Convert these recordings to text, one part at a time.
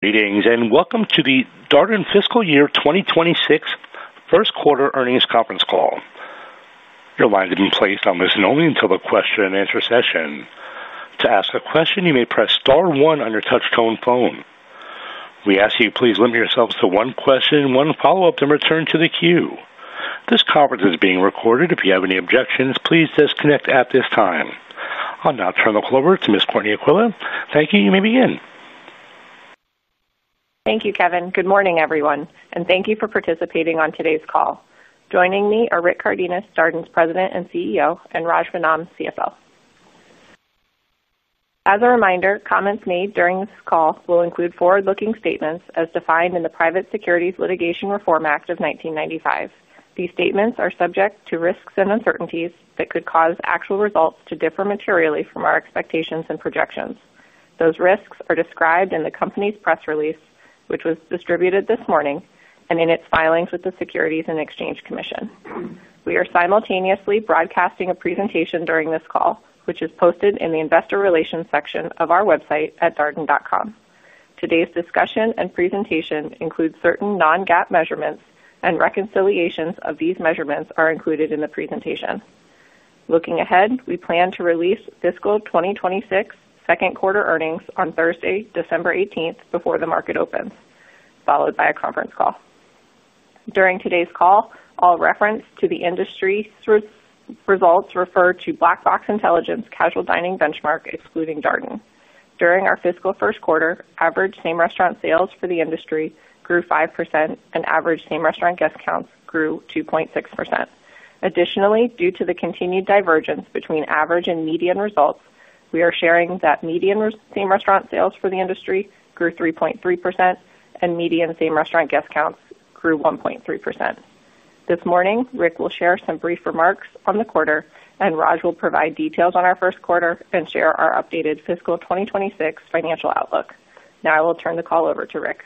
Meetings and welcome to the Darden Restaurants Fiscal Year 2026 First Quarter Earnings Conference Call. Your lines have been placed on listen-only until the question and answer session. To ask a question, you may press star one on your touch-tone phone. We ask you to please limit yourself to one question, one follow-up, then return to the queue. This conference is being recorded. If you have any objections, please disconnect at this time. I'll now turn the floor over to Ms. Courtney Aquilla. Thank you. You may begin. Thank you, Kevin. Good morning, everyone, and thank you for participating on today's call. Joining me are Rick Cardenas, Darden's President and CEO, and Raj Vennam, CFO. As a reminder, comments made during this call will include forward-looking statements as defined in the Private Securities Litigation Reform Act of 1995. These statements are subject to risks and uncertainties that could cause actual results to differ materially from our expectations and projections. Those risks are described in the company's press release, which was distributed this morning, and in its filings with the Securities and Exchange Commission. We are simultaneously broadcasting a presentation during this call, which is posted in the Investor Relations section of our website at darden.com. Today's discussion and presentation includes certain non-GAAP measurements, and reconciliations of these measurements are included in the presentation. Looking ahead, we plan to release fiscal 2026 second quarter earnings on Thursday, December 18th, before the market opens, followed by a conference call. During today's call, all reference to the industry results refer to Black Box Intelligence Casual Dining Benchmark excluding Darden. During our fiscal first quarter, average same restaurant sales for the industry grew 5%, and average same restaurant guest counts grew 2.6%. Additionally, due to the continued divergence between average and median results, we are sharing that median same restaurant sales for the industry grew 3.3%, and median same restaurant guest counts grew 1.3%. This morning, Rick will share some brief remarks on the quarter, and Raj will provide details on our first quarter and share our updated fiscal 2026 financial outlook. Now I will turn the call over to Rick.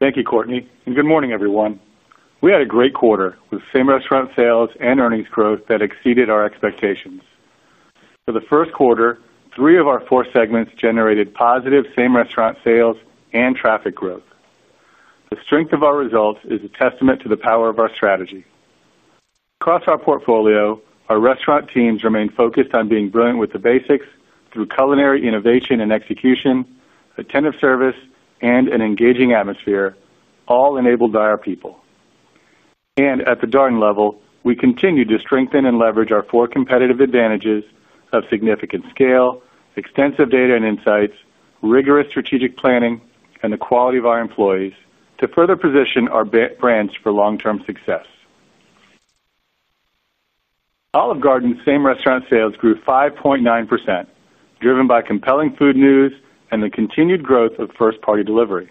Thank you, Courtney, and good morning, everyone. We had a great quarter with same restaurant sales and earnings growth that exceeded our expectations. For the first quarter, three of our four segments generated positive same restaurant sales and traffic growth. The strength of our results is a testament to the power of our strategy. Across our portfolio, our restaurant teams remain focused on being brilliant with the basics through culinary innovation and execution, attentive service, and an engaging atmosphere, all enabled by our people. At the Darden level, we continue to strengthen and leverage our four competitive advantages of significant scale, extensive data and insights, rigorous strategic planning, and the quality of our employees to further position our brands for long-term success. Olive Garden's same restaurant sales grew 5.9%, driven by compelling food news and the continued growth of first-party delivery.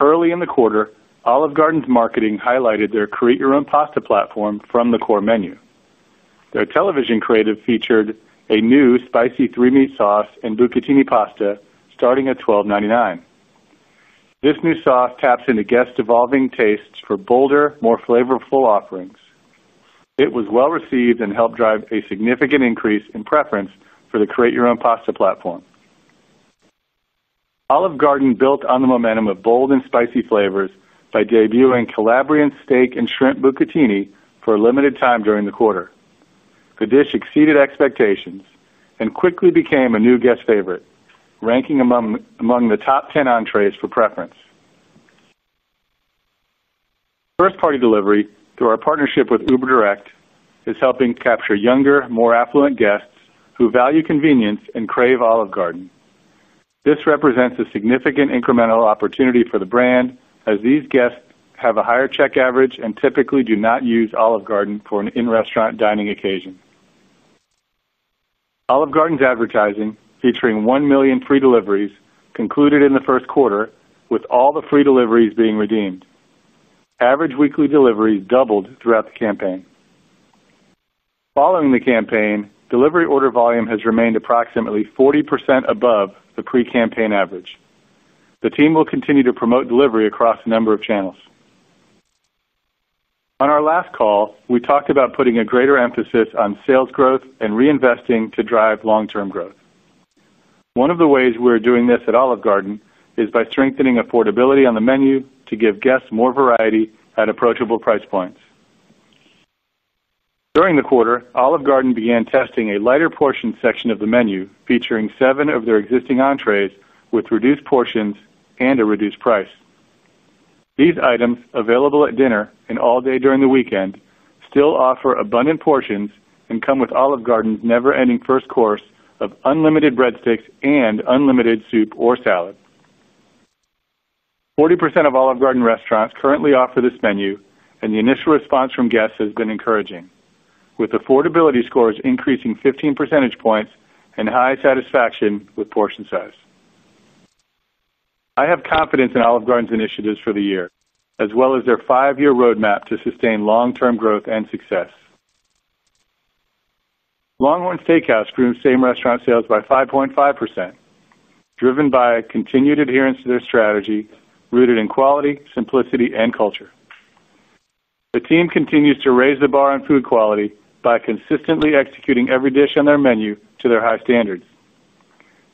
Early in the quarter, Olive Garden's marketing highlighted their create-your-own pasta platform from the core menu. Their television creative featured a new spicy three-meat sauce and bucatini pasta starting at $12.99. This new sauce taps into guests' evolving tastes for bolder, more flavorful offerings. It was well received and helped drive a significant increase in preference for the create-your-own pasta platform. Olive Garden built on the momentum of bold and spicy flavors by debuting Calabrian Steak and Shrimp Bucatini for a limited time during the quarter. The dish exceeded expectations and quickly became a new guest favorite, ranking among the top 10 entrees for preference. First-party delivery through our partnership with Uber Direct is helping capture younger, more affluent guests who value convenience and crave Olive Garden. This represents a significant incremental opportunity for the brand, as these guests have a higher check average and typically do not use Olive Garden for an in-restaurant dining occasion. Olive Garden's advertising featuring 1 million free deliveries concluded in the first quarter, with all the free deliveries being redeemed. Average weekly deliveries doubled throughout the campaign. Following the campaign, delivery order volume has remained approximately 40% above the pre-campaign average. The team will continue to promote delivery across a number of channels. On our last call, we talked about putting a greater emphasis on sales growth and reinvesting to drive long-term growth. One of the ways we're doing this at Olive Garden is by strengthening affordability on the menu to give guests more variety at approachable price points. During the quarter, Olive Garden began testing a lighter portion section of the menu featuring seven of their existing entrees with reduced portions and a reduced price. These items, available at dinner and all day during the weekend, still offer abundant portions and come with Olive Garden's never-ending first course of unlimited breadsticks and unlimited soup or salad. 40% of Olive Garden restaurants currently offer this menu, and the initial response from guests has been encouraging, with affordability scores increasing 15% and high satisfaction with portion size. I have confidence in Olive Garden's initiatives for the year, as well as their five-year roadmap to sustain long-term growth and success. LongHorn Steakhouse grew same restaurant sales by 5.5%, driven by continued adherence to their strategy rooted in quality, simplicity, and culture. The team continues to raise the bar on food quality by consistently executing every dish on their menu to their high standards.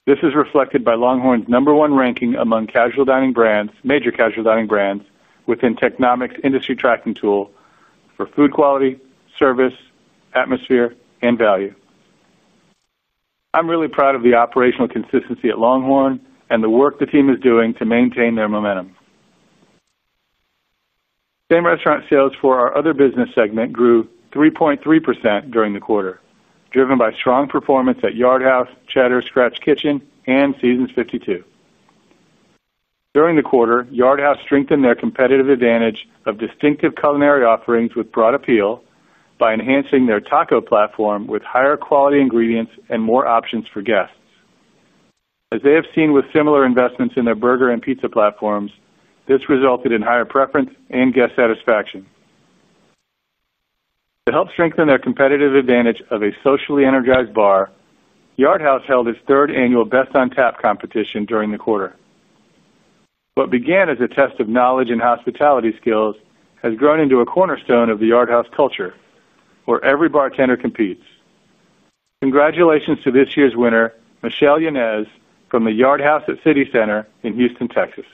This is reflected by LongHorn's number one ranking among major casual dining brands within Technomic's industry tracking tool for food quality, service, atmosphere, and value. I'm really proud of the operational consistency at LongHorn and the work the team is doing to maintain their momentum. Same restaurant sales for our other business segment grew 3.3% during the quarter, driven by strong performance at Yard House, Cheddar's Scratch Kitchen, and Seasons 52. During the quarter, Yard House strengthened their competitive advantage of distinctive culinary offerings with broad appeal by enhancing their taco platform with higher quality ingredients and more options for guests. As they have seen with similar investments in their burger and pizza platforms, this resulted in higher preference and guest satisfaction. To help strengthen their competitive advantage of a socially energized bar, Yard House held its third annual Best on Tap competition during the quarter. What began as a test of knowledge and hospitality skills has grown into a cornerstone of the Yard House culture, where every bartender competes. Congratulations to this year's winner, Michelle Yanez, from the Yard House at City Center in Houston, Texas.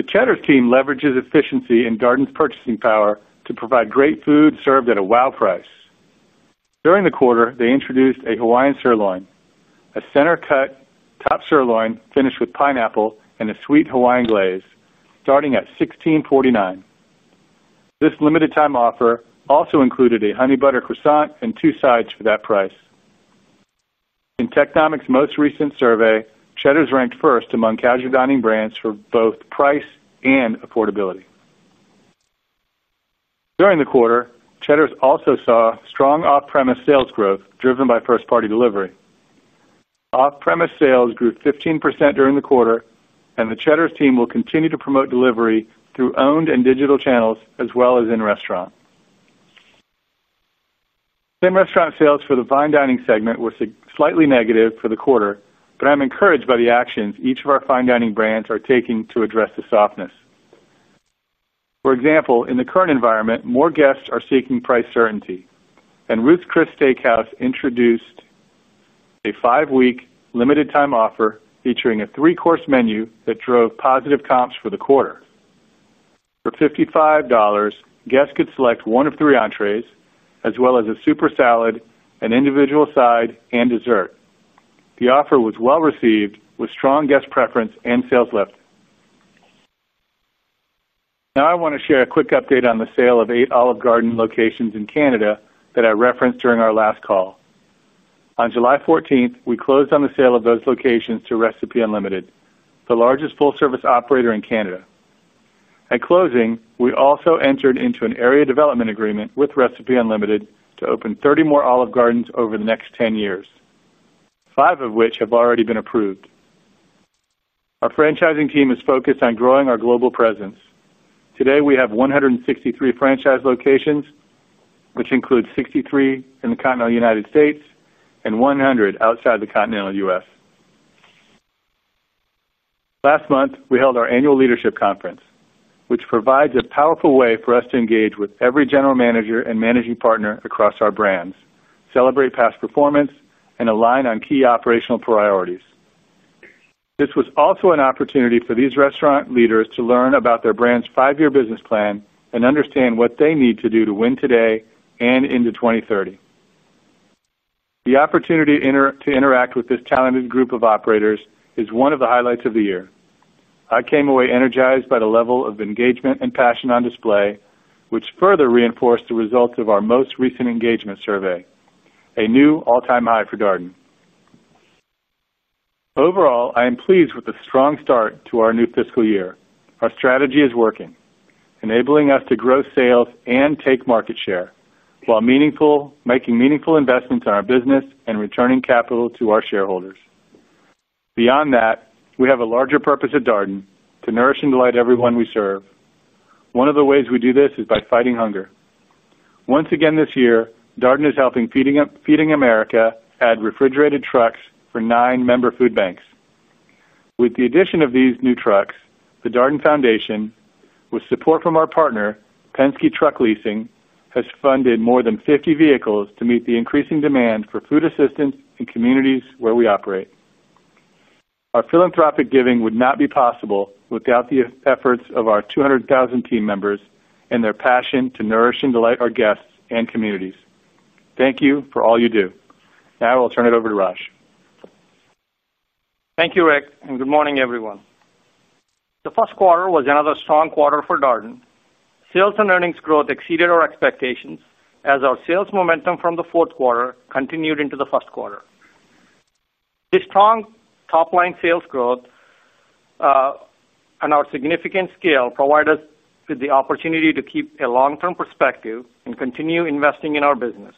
The Cheddar's team leverages efficiency in Darden's purchasing power to provide great food served at a wow price. During the quarter, they introduced a Hawaiian sirloin, a center-cut top sirloin finished with pineapple and a sweet Hawaiian glaze, starting at $16.49. This limited-time offer also included a honey butter croissant and two sides for that price. In Technomic's most recent survey, Cheddar's ranked first among casual dining brands for both price and affordability. During the quarter, Cheddar's also saw strong off-premise sales growth, driven by first-party delivery. Off-premise sales grew 15% during the quarter, and the Cheddar's team will continue to promote delivery through owned and digital channels, as well as in-restaurant. Same restaurant sales for the fine dining segment were slightly negative for the quarter, but I'm encouraged by the actions each of our fine dining brands are taking to address the softness. For example, in the current environment, more guests are seeking price certainty, and Ruth's Chris Steak House introduced a five-week limited-time offer featuring a three-course menu that drove positive comps for the quarter. For $55, guests could select one of three entrees, as well as a soup or salad, an individual side, and dessert. The offer was well received, with strong guest preference and sales lift. Now I want to share a quick update on the sale of eight Olive Garden locations in Canada that I referenced during our last call. On July 14, we closed on the sale of those locations to Recipe Unlimited, the largest full-service operator in Canada. At closing, we also entered into an area development agreement with Recipe Unlimited to open 30 more Olive Gardens over the next 10 years, five of which have already been approved. Our franchising team is focused on growing our global presence. Today, we have 163 franchise locations, which include 63 in the continental United States and 100 outside the continental U.S. Last month, we held our annual leadership conference, which provides a powerful way for us to engage with every General Manager and Managing Partner across our brands, celebrate past performance, and align on key operational priorities. This was also an opportunity for these restaurant leaders to learn about their brand's five-year business plan and understand what they need to do to win today and into 2030. The opportunity to interact with this talented group of operators is one of the highlights of the year. I came away energized by the level of engagement and passion on display, which further reinforced the results of our most recent engagement survey, a new all-time high for Darden. Overall, I am pleased with the strong start to our new fiscal year. Our strategy is working, enabling us to grow sales and take market share while making meaningful investments in our business and returning capital to our shareholders. Beyond that, we have a larger purpose at Darden to nourish and delight everyone we serve. One of the ways we do this is by fighting hunger. Once again this year, Darden is helping Feeding America add refrigerated trucks for nine member food banks. With the addition of these new trucks, the Darden Foundation, with support from our partner, Penske Truck Leasing, has funded more than 50 vehicles to meet the increasing demand for food assistance in communities where we operate. Our philanthropic giving would not be possible without the efforts of our 200,000 team members and their passion to nourish and delight our guests and communities. Thank you for all you do. Now I will turn it over to Raj. Thank you, Rick, and good morning, everyone. The first quarter was another strong quarter for Darden. Sales and earnings growth exceeded our expectations as our sales momentum from the fourth quarter continued into the first quarter. This strong top-line sales growth and our significant scale provide us with the opportunity to keep a long-term perspective and continue investing in our business.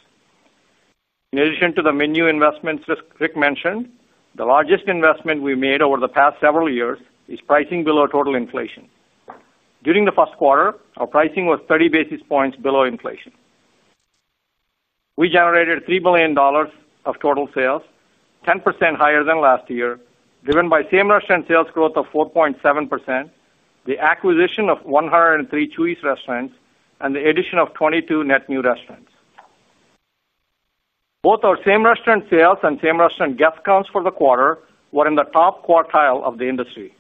In addition to the menu investments Rick mentioned, the largest investment we made over the past several years is pricing below total inflation. During the first quarter, our pricing was 30 basis points below inflation. We generated $3 million of total sales, 10% higher than last year, driven by same restaurant sales growth of 4.7%, the acquisition of 103 Chuy's restaurants, and the addition of 22 net new restaurants. Both our same restaurant sales and same restaurant guest counts for the quarter were in the top quartile of the industry.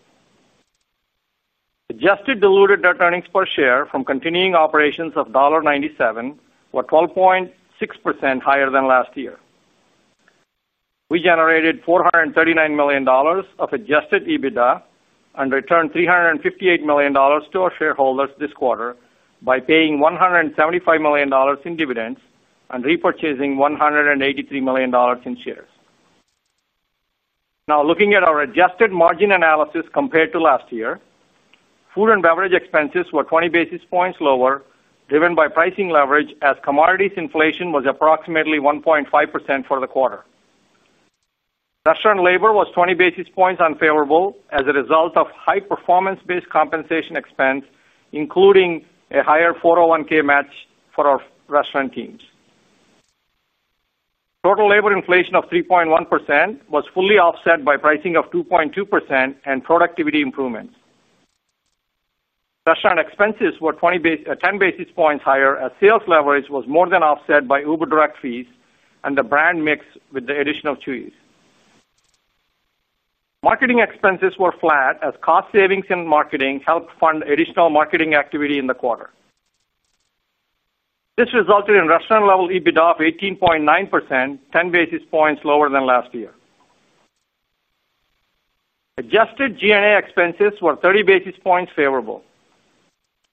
Adjusted diluted net earnings per share from continuing operations of $1.97 were 12.6% higher than last year. We generated $439 million of adjusted EBITDA and returned $358 million to our shareholders this quarter by paying $175 million in dividends and repurchasing $183 million in shares. Now, looking at our adjusted margin analysis compared to last year, food and beverage expenses were 20 basis points lower, driven by pricing leverage as commodity inflation was approximately 1.5% for the quarter. Restaurant labor was 20 basis points unfavorable as a result of high performance-based compensation expense, including a higher 401(k) match for our restaurant teams. Total labor inflation of 3.1% was fully offset by pricing of 2.2% and productivity improvements. Restaurant expenses were 10 basis points higher as sales leverage was more than offset by Uber Direct fees and the brand mix with the addition of Chuy's. Marketing expenses were flat as cost savings in marketing helped fund additional marketing activity in the quarter. This resulted in restaurant-level EBITDA of 18.9%, 10 basis points lower than last year. Adjusted G&A expenses were 30 basis points favorable.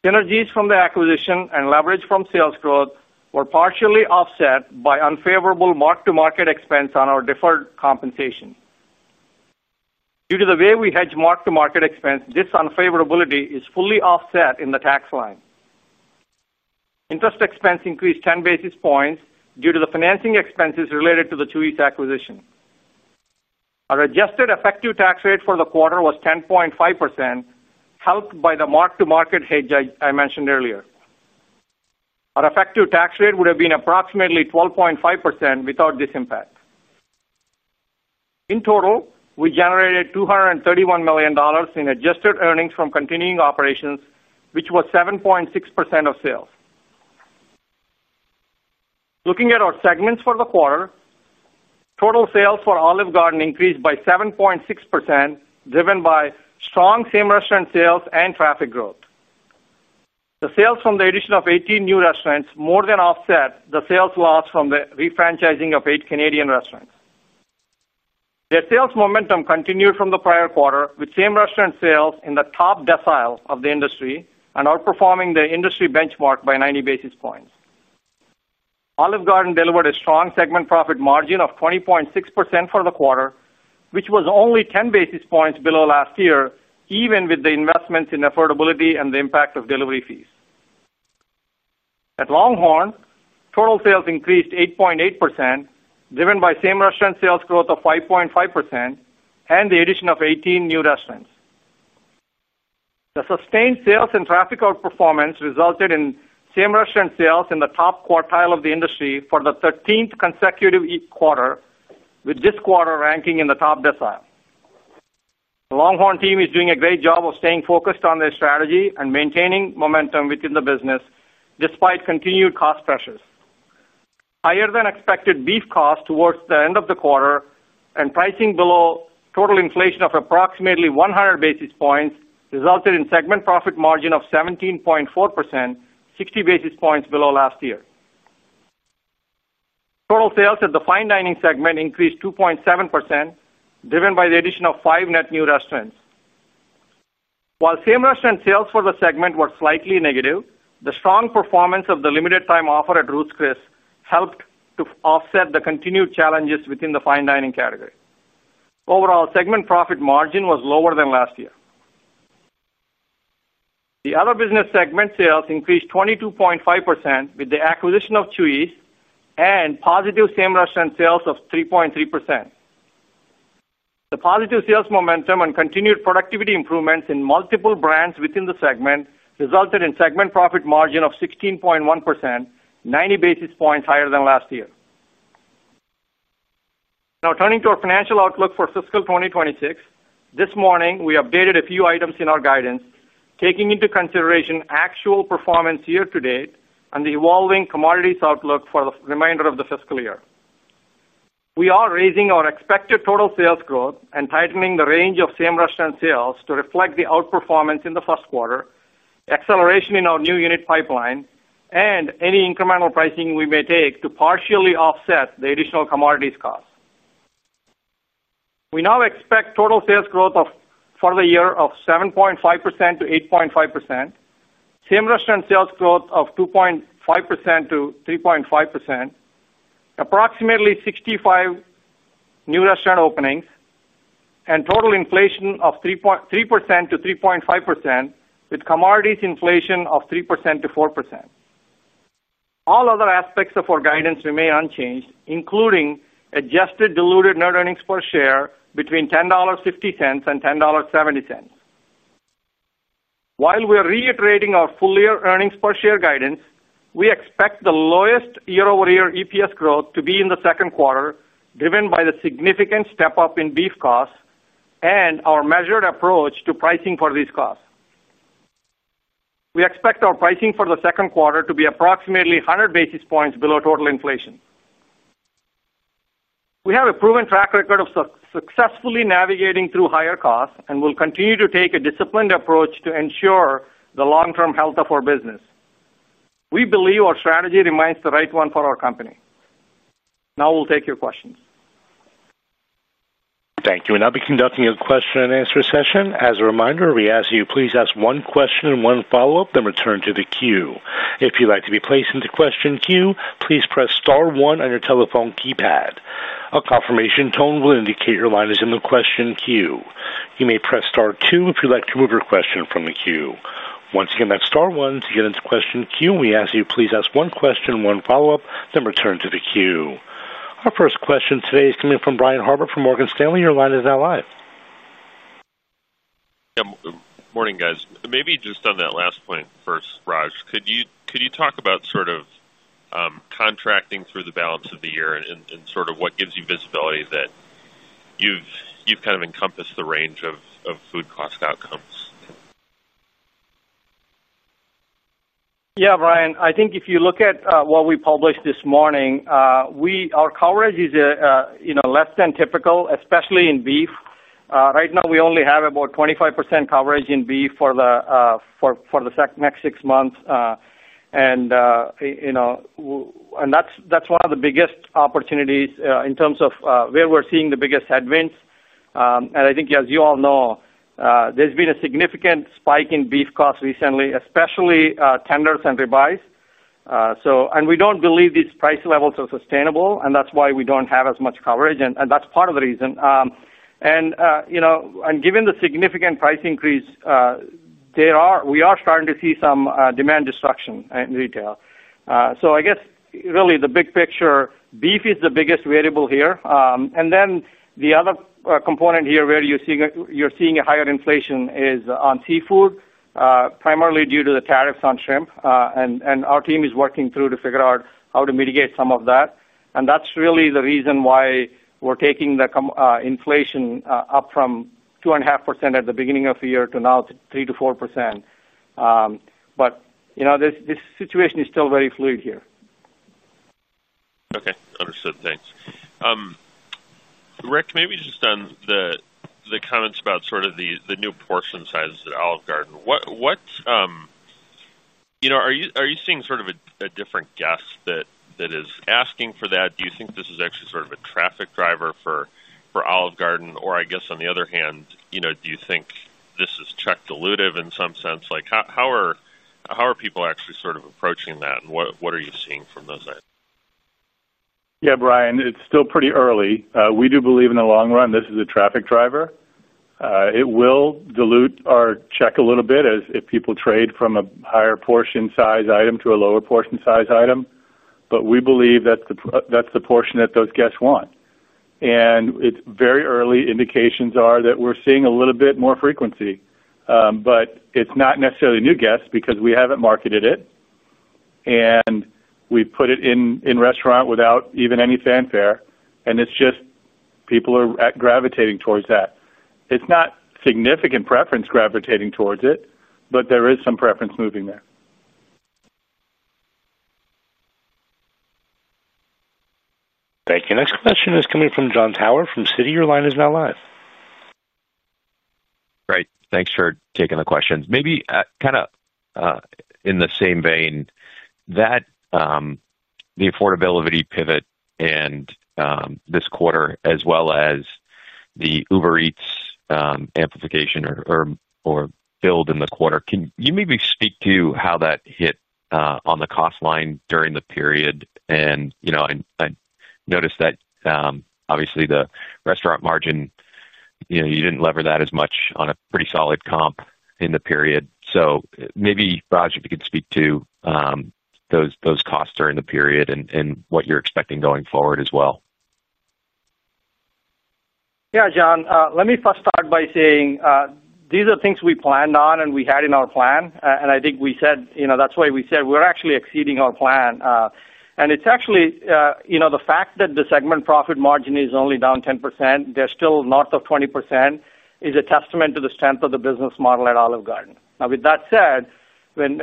Synergies from the acquisition and leverage from sales growth were partially offset by unfavorable mark-to-market expense on our deferred compensation. Due to the way we hedge mark-to-market expense, this unfavorability is fully offset in the tax line. Interest expense increased 10 basis points due to the financing expenses related to the Chuy's acquisition. Our adjusted effective tax rate for the quarter was 10.5%, helped by the mark-to-market hedge I mentioned earlier. Our effective tax rate would have been approximately 12.5% without this impact. In total, we generated $231 million in adjusted earnings from continuing operations, which was 7.6% of sales. Looking at our segments for the quarter, total sales for Olive Garden increased by 7.6%, driven by strong same restaurant sales and traffic growth. The sales from the addition of 18 new restaurants more than offset the sales loss from the refranchising of eight Canadian restaurants. Their sales momentum continued from the prior quarter, with same restaurant sales in the top decile of the industry and outperforming the industry benchmark by 90 basis points. Olive Garden delivered a strong segment profit margin of 20.6% for the quarter, which was only 10 basis points below last year, even with the investments in affordability and the impact of delivery fees. At LongHorn, total sales increased 8.8%, driven by same restaurant sales growth of 5.5% and the addition of 18 new restaurants. The sustained sales and traffic outperformance resulted in same restaurant sales in the top quartile of the industry for the 13th consecutive quarter, with this quarter ranking in the top decile. The LongHorn team is doing a great job of staying focused on their strategy and maintaining momentum within the business despite continued cost pressures. Higher than expected beef cost towards the end of the quarter and pricing below total inflation of approximately 100 basis points resulted in a segment profit margin of 17.4%, 60 basis points below last year. Total sales at the fine dining segment increased 2.7%, driven by the addition of five net new restaurants. While same restaurant sales for the segment were slightly negative, the strong performance of the limited-time offer at Ruth's Chris Steak House helped to offset the continued challenges within the fine dining category. Overall, segment profit margin was lower than last year. The other business segment sales increased 22.5% with the acquisition of Chuy's and positive same restaurant sales of 3.3%. The positive sales momentum and continued productivity improvements in multiple brands within the segment resulted in a segment profit margin of 16.1%, 90 basis points higher than last year. Now turning to our financial outlook for fiscal 2026, this morning we updated a few items in our guidance, taking into consideration actual performance year to date and the evolving commodities outlook for the remainder of the fiscal year. We are raising our expected total sales growth and tightening the range of same restaurant sales to reflect the outperformance in the first quarter, acceleration in our new unit pipeline, and any incremental pricing we may take to partially offset the additional commodities cost. We now expect total sales growth for the year of 7.5% to 8.5%, same restaurant sales growth of 2.5% to 3.5%, approximately 65 new restaurant openings, and total inflation of 3% to 3.5%, with commodities inflation of 3% to 4%. All other aspects of our guidance remain unchanged, including adjusted diluted net earnings per share between $10.50 and $10.70. While we are reiterating our full-year earnings per share guidance, we expect the lowest year-over-year EPS growth to be in the second quarter, driven by the significant step up in beef costs and our measured approach to pricing for these costs. We expect our pricing for the second quarter to be approximately 100 basis points below total inflation. We have a proven track record of successfully navigating through higher costs and will continue to take a disciplined approach to ensure the long-term health of our business. We believe our strategy remains the right one for our company. Now we'll take your questions. Thank you. We will now be conducting a question and answer session. As a reminder, we ask that you please ask one question and one follow-up, then return to the queue. If you'd like to be placed into the question queue, please press star one on your telephone keypad. A confirmation tone will indicate your line is in the question queue. You may press star two if you'd like to remove your question from the queue. Once again, that's star one to get into the question queue. We ask that you please ask one question and one follow-up, then return to the queue. Our first question today is coming from Brian Harbour from Morgan Stanley. Your line is now live. Morning, guys. Maybe just on that last point first, Raj, could you talk about sort of contracting through the balance of the year and what gives you visibility that you've kind of encompassed the range of food cost outcomes? Yeah, Brian, I think if you look at what we published this morning, our coverage is less than typical, especially in beef. Right now, we only have about 25% coverage in beef for the next six months. That's one of the biggest opportunities in terms of where we're seeing the biggest headwinds. I think, as you all know, there's been a significant spike in beef costs recently, especially tenders and rib eyes. We don't believe these price levels are sustainable, and that's why we don't have as much coverage. That's part of the reason. Given the significant price increase, we are starting to see some demand destruction in retail. I guess really the big picture, beef is the biggest variable here. The other component here where you're seeing a higher inflation is on seafood, primarily due to the tariffs on shrimp. Our team is working through to figure out how to mitigate some of that. That's really the reason why we're taking the inflation up from 2.5% at the beginning of the year to now 3%-4%. This situation is still very fluid here. Okay, understood. Thanks. Rick, maybe just on the comments about sort of the new portion sizes at Olive Garden. What, you know, are you seeing sort of a different guest that is asking for that? Do you think this is actually sort of a traffic driver for Olive Garden? I guess on the other hand, do you think this is check dilutive in some sense? How are people actually sort of approaching that, and what are you seeing from those? Yeah, Brian, it's still pretty early. We do believe in the long run this is a traffic driver. It will dilute our check a little bit if people trade from a higher portion size item to a lower portion size item. We believe that's the portion that those guests want. Very early indications are that we're seeing a little bit more frequency. It's not necessarily new guests because we haven't marketed it. We put it in restaurants without even any fanfare. It's just people are gravitating towards that. It's not significant preference gravitating towards it, but there is some preference moving there. Thank you. Next question is coming from Jon Tower from Citi. Your line is now live. Right. Thanks for taking the questions. Maybe kind of in the same vein, the affordability pivot this quarter, as well as the Uber Direct amplification or build in the quarter, can you maybe speak to how that hit on the cost line during the period? I noticed that obviously the restaurant margin, you didn't lever that as much on a pretty solid comp in the period. Maybe, Raj, if you could speak to those costs during the period and what you're expecting going forward as well. Yeah, Jon, let me first start by saying these are things we planned on and we had in our plan. I think we said, you know, that's why we said we're actually exceeding our plan. It's actually, you know, the fact that the segment profit margin is only down 10%, they're still north of 20%, is a testament to the strength of the business model at Olive Garden. Now, with that said,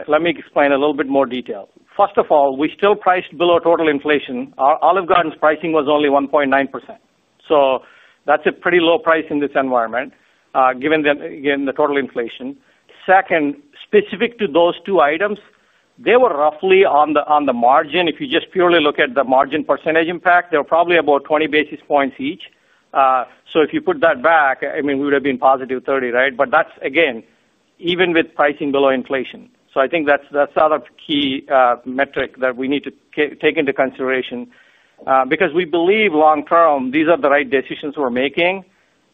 let me explain a little bit more detail. First of all, we still priced below total inflation. Olive Garden's pricing was only 1.9%. That's a pretty low price in this environment, given the total inflation. Second, specific to those two items, they were roughly on the margin. If you just purely look at the margin percentage impact, they were probably about 20 basis points each. If you put that back, I mean, we would have been positive 30, right? That's, again, even with pricing below inflation. I think that's the other key metric that we need to take into consideration because we believe long term, these are the right decisions we're making.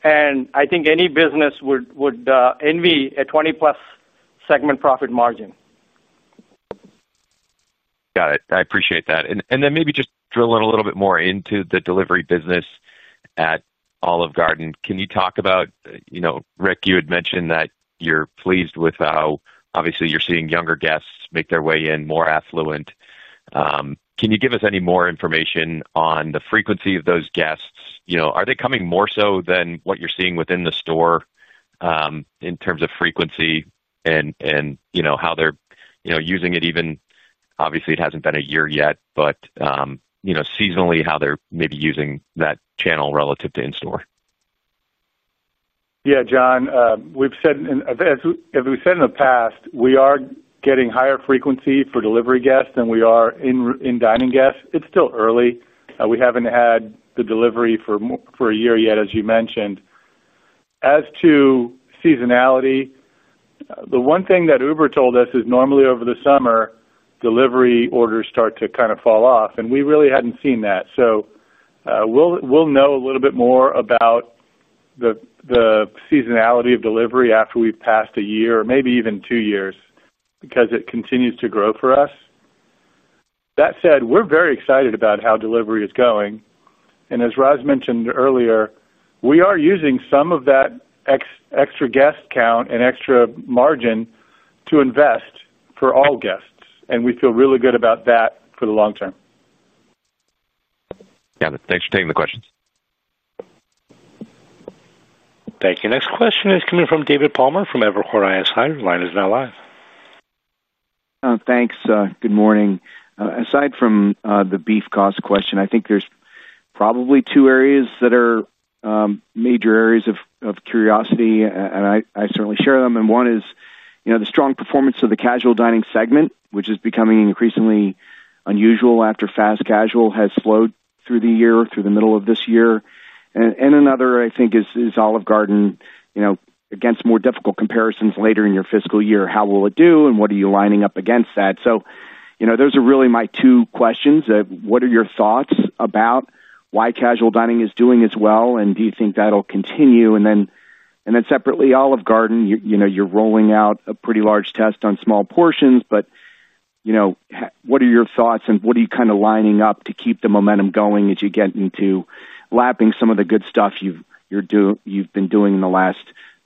I think any business would envy a 20+ segment profit margin. Got it. I appreciate that. Maybe just drill in a little bit more into the delivery business at Olive Garden. Can you talk about, you know, Rick, you had mentioned that you're pleased with how obviously you're seeing younger guests make their way in, more affluent. Can you give us any more information on the frequency of those guests? Are they coming more so than what you're seeing within the store in terms of frequency and how they're using it? Obviously, it hasn't been a year yet, but seasonally, how they're maybe using that channel relative to in-store? Yeah, Jon, as we've said in the past, we are getting higher frequency for delivery guests than we are in dining guests. It's still early. We haven't had the delivery for a year yet, as you mentioned. As to seasonality, the one thing that Uber told us is normally over the summer, delivery orders start to kind of fall off, and we really hadn't seen that. We will know a little bit more about the seasonality of delivery after we've passed a year or maybe even two years because it continues to grow for us. That said, we're very excited about how delivery is going. As Raj mentioned earlier, we are using some of that extra guest count and extra margin to invest for all guests. We feel really good about that for the long term. Got it. Thanks for taking the questions. Thank you. Next question is coming from David Palmer from Evercore ISI. Hi, line is now live. Thanks. Good morning. Aside from the beef cost question, I think there's probably two areas that are major areas of curiosity, and I certainly share them. One is, you know, the strong performance of the casual dining segment, which is becoming increasingly unusual after fast casual has slowed through the year, through the middle of this year. Another, I think, is Olive Garden, you know, against more difficult comparisons later in your fiscal year, how will it do and what are you lining up against that? Those are really my two questions. What are your thoughts about why casual dining is doing as well, and do you think that'll continue? Then, separately, Olive Garden, you know, you're rolling out a pretty large test on small portions, but you know, what are your thoughts and what are you kind of lining up to keep the momentum going as you get me to lapping some of the good stuff you've been doing in the last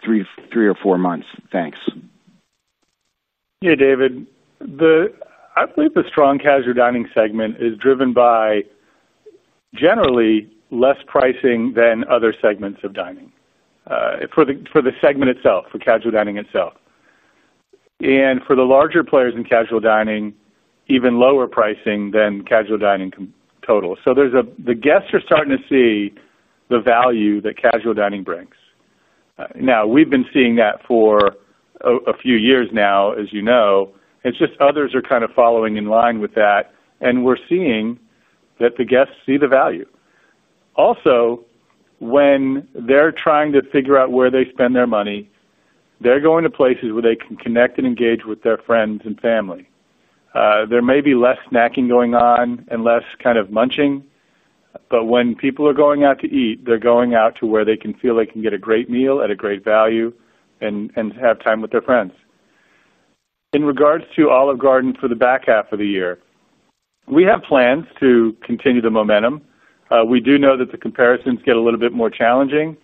three or four months? Thanks. Yeah, David. I believe the strong casual dining segment is driven by generally less pricing than other segments of dining for the segment itself, for casual dining itself. For the larger players in casual dining, even lower pricing than casual dining total. The guests are starting to see the value that casual dining brings. We've been seeing that for a few years now, as you know. It's just others are kind of following in line with that. We're seeing that the guests see the value. Also, when they're trying to figure out where they spend their money, they're going to places where they can connect and engage with their friends and family. There may be less snacking going on and less kind of munching. When people are going out to eat, they're going out to where they can feel they can get a great meal at a great value and have time with their friends. In regards to Olive Garden for the back half of the year, we have plans to continue the momentum. We do know that the comparisons get a little bit more challenging.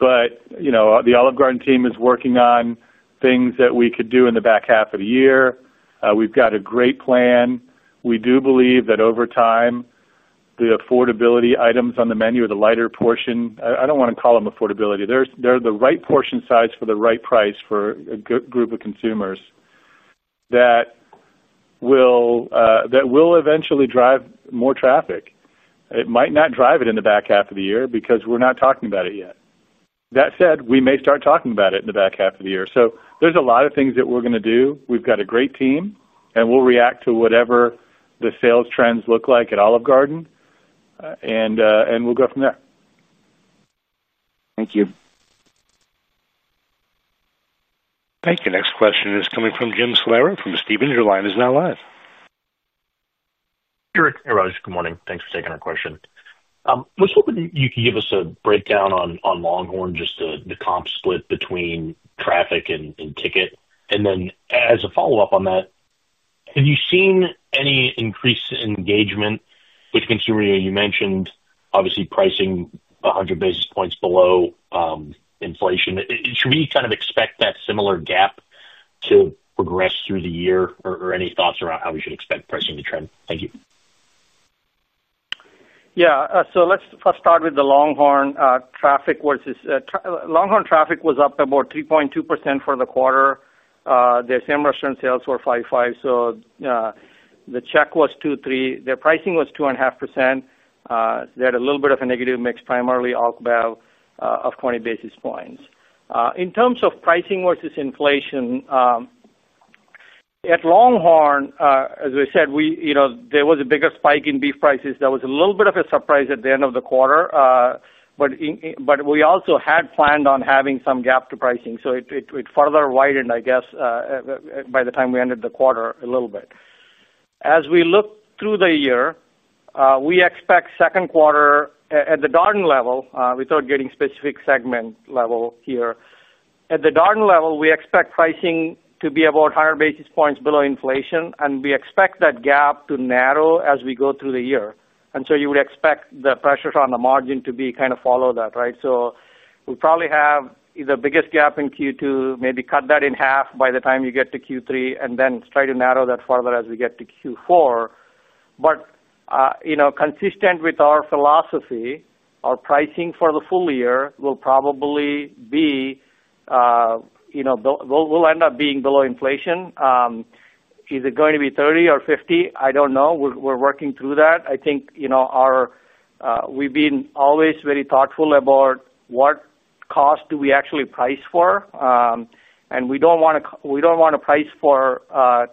The Olive Garden team is working on things that we could do in the back half of the year. We've got a great plan. We do believe that over time, the affordability items on the menu are the lighter portion. I don't want to call them affordability. They're the right portion size for the right price for a group of consumers that will eventually drive more traffic. It might not drive it in the back half of the year because we're not talking about it yet. That said, we may start talking about it in the back half of the year. There are a lot of things that we're going to do. We've got a great team, and we'll react to whatever the sales trends look like at Olive Garden. We'll go from there. Thank you. Thank you. Next question is coming from Jim Salera from Stephens. Your line is now live. Good morning. Thanks for taking our question. I was hoping you could give us a breakdown on LongHorn, just the comp split between traffic and ticket. As a follow-up on that, have you seen any increase in engagement with consumer? You mentioned, obviously, pricing 100 basis points below inflation. Should we kind of expect that similar gap to progress through the year, or any thoughts around how we should expect pricing to trend? Thank you. Yeah. Let's first start with the LongHorn traffic. LongHorn traffic was up about 3.2% for the quarter. The same restaurant sales were 5.5%, so the check was 2.3%. Their pricing was 2.5%. They had a little bit of a negative mix, primarily alcohol, of 20 basis points. In terms of pricing versus inflation, at LongHorn, as we said, there was a bigger spike in beef prices. That was a little bit of a surprise at the end of the quarter. We also had planned on having some gap to pricing, so it further widened, I guess, by the time we ended the quarter a little bit. As we look through the year, we expect second quarter at the Darden level, without getting specific segment level here. At the Darden level, we expect pricing to be about 100 basis points below inflation, and we expect that gap to narrow as we go through the year. You would expect the pressure on the margin to kind of follow that, right? We'll probably have the biggest gap in Q2, maybe cut that in half by the time you get to Q3, and then try to narrow that further as we get to Q4. Consistent with our philosophy, our pricing for the full year will probably be, you know, we'll end up being below inflation. Is it going to be 30 or 50? I don't know. We're working through that. I think we've been always very thoughtful about what cost do we actually price for. We don't want to price for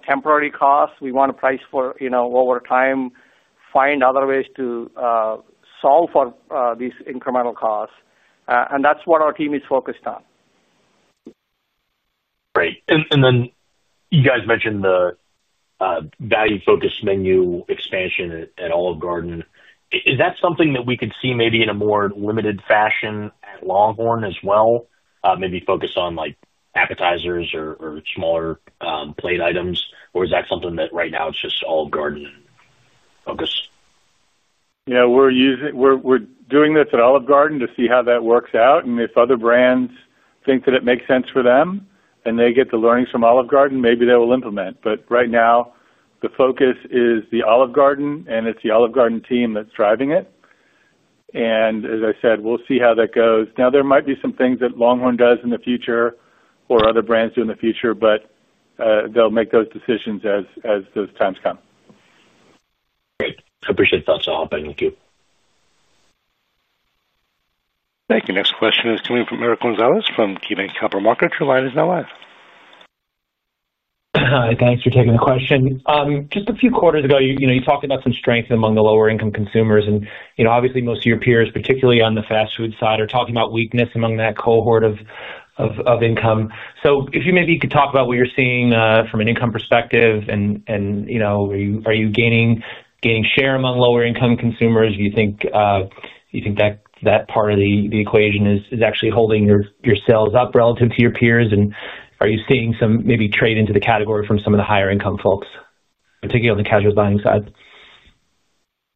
temporary costs. We want to price for, over time, find other ways to solve for these incremental costs. That's what our team is focused on. Right. You guys mentioned the value-focused menu expansion at Olive Garden. Is that something that we could see maybe in a more limited fashion at LongHorn as well, maybe focused on appetizers or smaller plate items? Is that something that right now is just Olive Garden focused? Yeah, we're doing this at Olive Garden to see how that works out. If other brands think that it makes sense for them and they get the learnings from Olive Garden, maybe they will implement. Right now, the focus is the Olive Garden, and it's the Olive Garden team that's driving it. As I said, we'll see how that goes. There might be some things that LongHorn does in the future or other brands do in the future, but they'll make those decisions as those times come. Great. I appreciate the thoughts, all. Thank you. Thank you. Next question is coming from Eric Gonzalez from KeyBanc Capital Markets. Your line is now live. Hi. Thanks for taking the question. Just a few quarters ago, you talked about some strength among the lower-income consumers. Obviously, most of your peers, particularly on the fast food side, are talking about weakness among that cohort of income. If you maybe could talk about what you're seeing from an income perspective, are you gaining share among lower-income consumers? Do you think that part of the equation is actually holding your sales up relative to your peers? Are you seeing some maybe trade into the category from some of the higher-income folks, particularly on the casual dining side?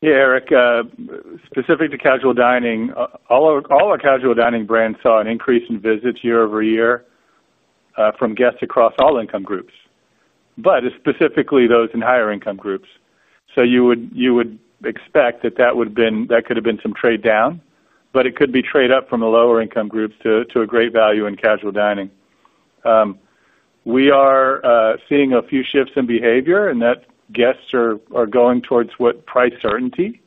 Yeah, Eric, specific to casual dining, all our casual dining brands saw an increase in visits year over year from guests across all income groups, specifically those in higher-income groups. You would expect that that could have been some trade down, but it could be trade up from the lower-income groups to a great value in casual dining. We are seeing a few shifts in behavior, and guests are going towards price certainty,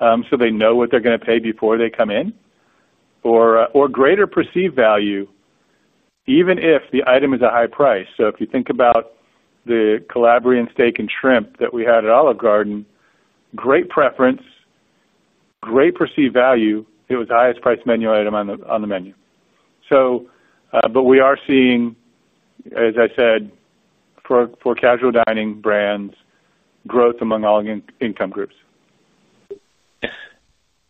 so they know what they're going to pay before they come in, or greater perceived value, even if the item is a high price. If you think about the Calabrian Steak and Shrimp that we had at Olive Garden, great preference, great perceived value. It was the highest priced menu item on the menu. We are seeing, as I said, for casual dining brands, growth among all income groups.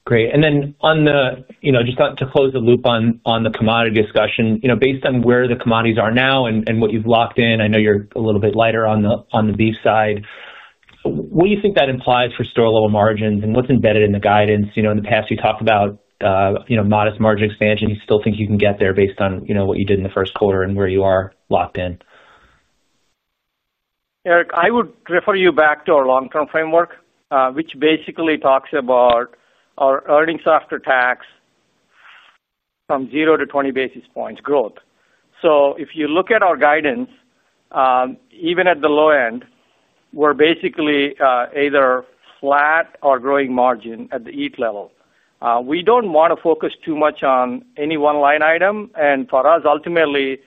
Great. Just to close the loop on the commodity discussion, based on where the commodities are now and what you've locked in, I know you're a little bit lighter on the beef side. What do you think that implies for store-level margins and what's embedded in the guidance? In the past, you talked about modest margin expansion. Do you still think you can get there based on what you did in the first quarter and where you are locked in? Eric, I would refer you back to our long-term framework, which basically talks about our earnings after tax from 0 to 20 basis points growth. If you look at our guidance, even at the low end, we're basically either flat or growing margin at the EAT level. We don't want to focus too much on any one line item. For us, ultimately,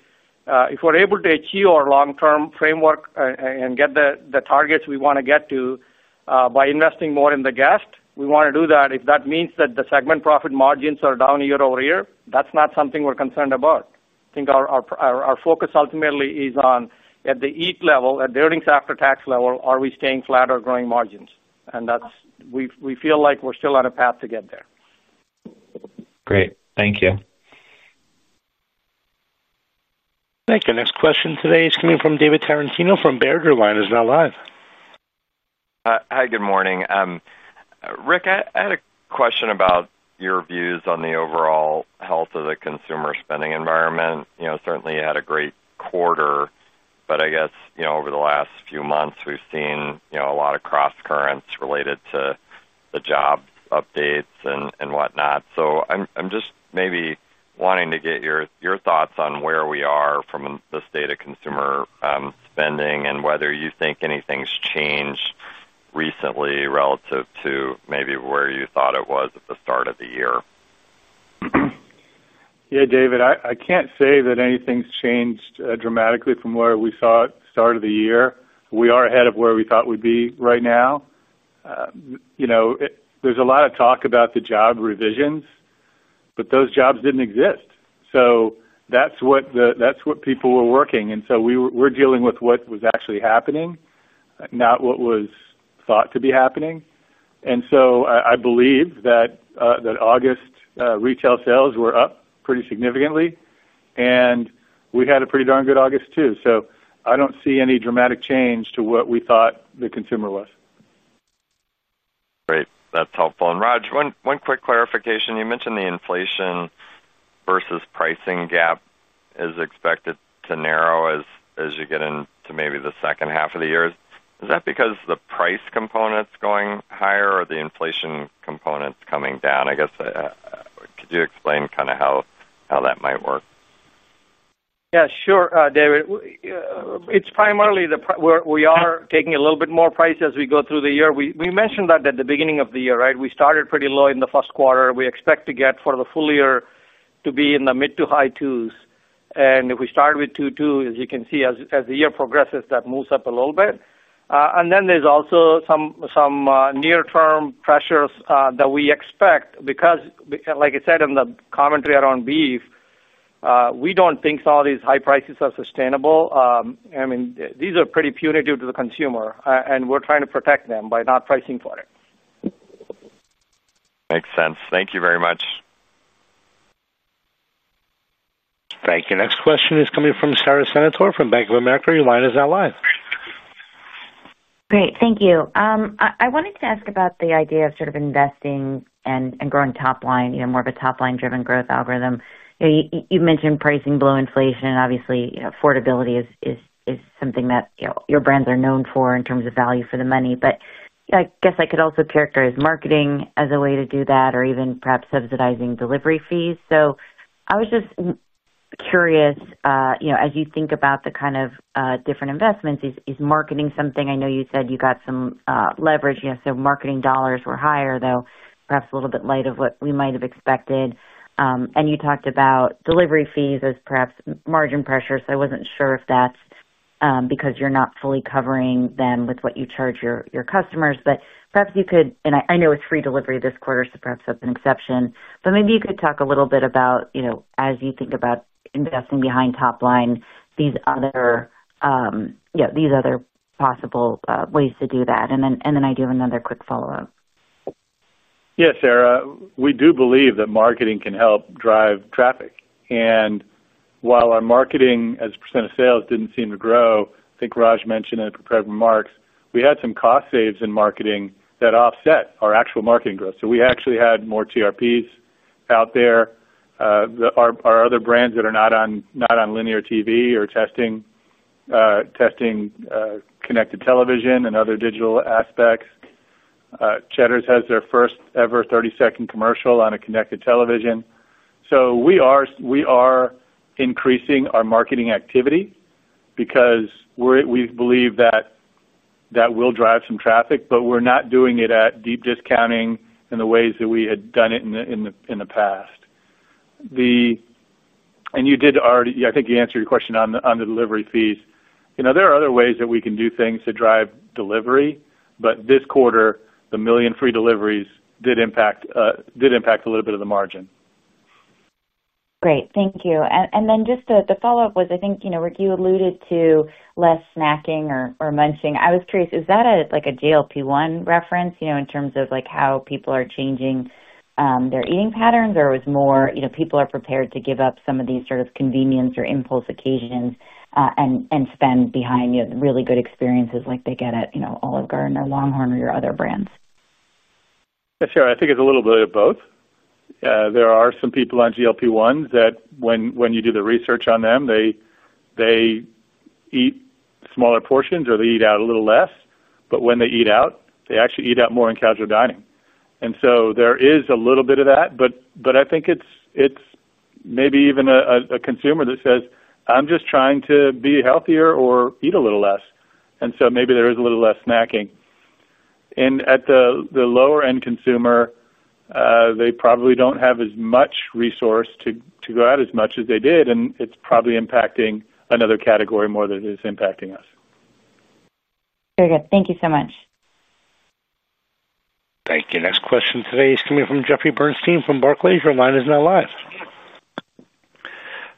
if we're able to achieve our long-term framework and get the targets we want to get to by investing more in the guest, we want to do that. If that means that the segment profit margins are down year over year, that's not something we're concerned about. I think our focus ultimately is on at the EAT level, at the earnings after tax level, are we staying flat or growing margins? That's what we feel like we're still on a path to get there. Great, thank you. Thank you. Next question today is coming from David Tarantino from Baird. Your line is now live. Hi, good morning. Rick, I had a question about your views on the overall health of the consumer spending environment. Certainly, you had a great quarter, but I guess over the last few months, we've seen a lot of cross-currents related to the job updates and whatnot. I'm just maybe wanting to get your thoughts on where we are from the state of consumer spending and whether you think anything's changed recently relative to maybe where you thought it was at the start of the year. Yeah, David, I can't say that anything's changed dramatically from where we saw at the start of the year. We are ahead of where we thought we'd be right now. There's a lot of talk about the job revisions, but those jobs didn't exist. That's what people were working, and we're dealing with what was actually happening, not what was thought to be happening. I believe that August retail sales were up pretty significantly, and we had a pretty darn good August too. I don't see any dramatic change to what we thought the consumer was. Great. That's helpful. Raj, one quick clarification. You mentioned the inflation versus pricing gap is expected to narrow as you get into maybe the second half of the year. Is that because the price component's going higher or the inflation component's coming down? Could you explain kind of how that might work? Yeah, sure, David. It's primarily that we are taking a little bit more price as we go through the year. We mentioned that at the beginning of the year, right? We started pretty low in the first quarter. We expect to get for the full year to be in the mid to high 2%. If we start with 2.2%, as you can see, as the year progresses, that moves up a little bit. There are also some near-term pressures that we expect because, like I said in the commentary around beef, we don't think all these high prices are sustainable. I mean, these are pretty punitive to the consumer, and we're trying to protect them by not pricing for it. Makes sense. Thank you very much. Thank you. Next question is coming from Sara Senatore from Bank of America. Your line is now live. Great. Thank you. I wanted to ask about the idea of sort of investing and growing top line, you know, more of a top line driven growth algorithm. You mentioned pricing below inflation, and obviously, affordability is something that your brands are known for in terms of value for the money. I guess I could also characterize marketing as a way to do that or even perhaps subsidizing delivery fees. I was just curious, as you think about the kind of different investments, is marketing something? I know you said you got some leverage, so marketing dollars were higher, though perhaps a little bit light of what we might have expected. You talked about delivery fees as perhaps margin pressure. I wasn't sure if that's because you're not fully covering them with what you charge your customers. Perhaps you could, and I know it's free delivery this quarter, so perhaps that's an exception. Maybe you could talk a little bit about, as you think about investing behind top line, these other possible ways to do that. I do have another quick follow-up. Yeah, Sara, we do believe that marketing can help drive traffic. While our marketing as a percent of sales didn't seem to grow, I think Raj mentioned in prepared remarks, we had some cost saves in marketing that offset our actual marketing growth. We actually had more TRPs out there. Our other brands that are not on linear TV are testing connected television and other digital aspects. Cheddar's has their first ever 30-second commercial on a connected television. We are increasing our marketing activity because we believe that that will drive some traffic, but we're not doing it at deep discounting in the ways that we had done it in the past. You did already, I think you answered your question on the delivery fees. There are other ways that we can do things to drive delivery, but this quarter, the million free deliveries campaign did impact a little bit of the margin. Great. Thank you. The follow-up was, I think, you know, Rick, you alluded to less snacking or munching. I was curious, is that like a GLP-1 reference, you know, in terms of how people are changing their eating patterns, or was it more, you know, people are prepared to give up some of these sort of convenience or impulse occasions and spend behind really good experiences like they get at Olive Garden or LongHorn or your other brands? Yeah, sure. I think it's a little bit of both. There are some people on GLP-1 that, when you do the research on them, they eat smaller portions or they eat out a little less. When they eat out, they actually eat out more in casual dining, so there is a little bit of that. I think it's maybe even a consumer that says, "I'm just trying to be healthier or eat a little less." Maybe there is a little less snacking. At the lower-end consumer, they probably don't have as much resource to go out as much as they did. It's probably impacting another category more than it is impacting us. Very good. Thank you so much. Thank you. Next question today is coming from Jeffrey Bernstein from Barclays. Your line is now live.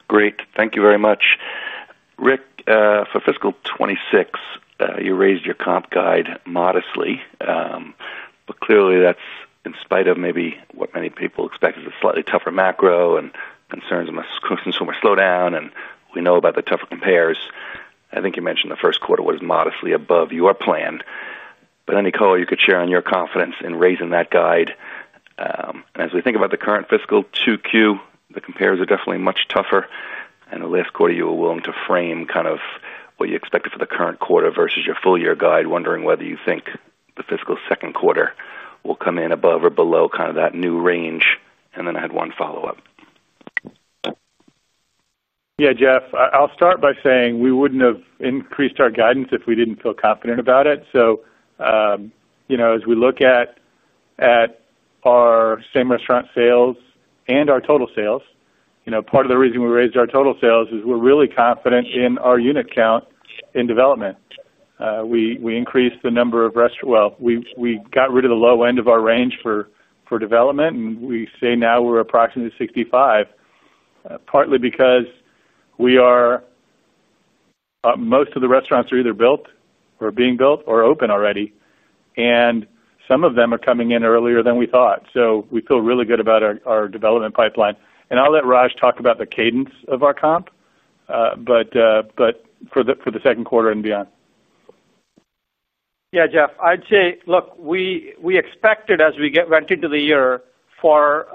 Great. Thank you very much. Rick, for fiscal 2026, you raised your comp guide modestly. Clearly, that's in spite of maybe what many people expect is a slightly tougher macro and concerns about some slowdown. We know about the tougher compares. I think you mentioned the first quarter was modestly above your plan. Nicole, you could share on your confidence in raising that guide. As we think about the current fiscal second quarter, the compares are definitely much tougher. In the last quarter, you were willing to frame kind of what you expected for the current quarter versus your full-year guide, wondering whether you think the fiscal second quarter will come in above or below that new range. I had one follow-up. Yeah, Jeff, I'll start by saying we wouldn't have increased our guidance if we didn't feel confident about it. As we look at our same restaurant sales and our total sales, part of the reason we raised our total sales is we're really confident in our unit count in development. We increased the number of restaurants, we got rid of the low end of our range for development, and we say now we're approximately 65, partly because most of the restaurants are either built or being built or open already. Some of them are coming in earlier than we thought. We feel really good about our development pipeline. I'll let Raj talk about the cadence of our comp, for the second quarter and beyond. Yeah, Jeff, I'd say, look, we expected as we went into the year for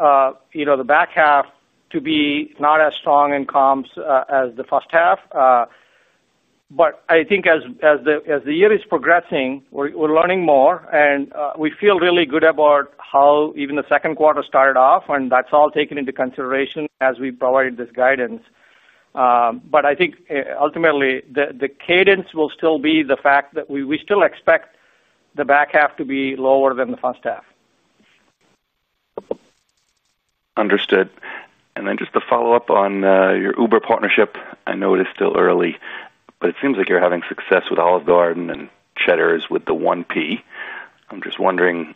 the back half to be not as strong in comps as the first half. I think as the year is progressing, we're learning more. We feel really good about how even the second quarter started off, and that's all taken into consideration as we provided this guidance. I think ultimately, the cadence will still be the fact that we still expect the back half to be lower than the first half. Understood. Just to follow up on your Uber partnership, I know it is still early, but it seems like you're having success with Olive Garden and Cheddar's with the 1P. I'm just wondering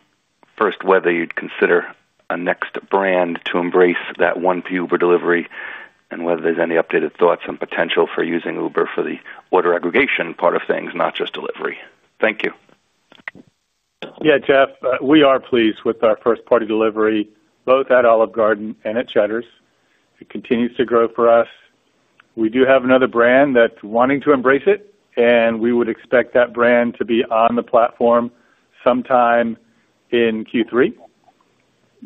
first whether you'd consider a next brand to embrace that 1P Uber delivery and whether there's any updated thoughts and potential for using Uber for the order aggregation part of things, not just delivery. Thank you. Yeah, Jeff, we are pleased with our first-party delivery both at Olive Garden and at Cheddar's. It continues to grow for us. We do have another brand that's wanting to embrace it, and we would expect that brand to be on the platform sometime in Q3.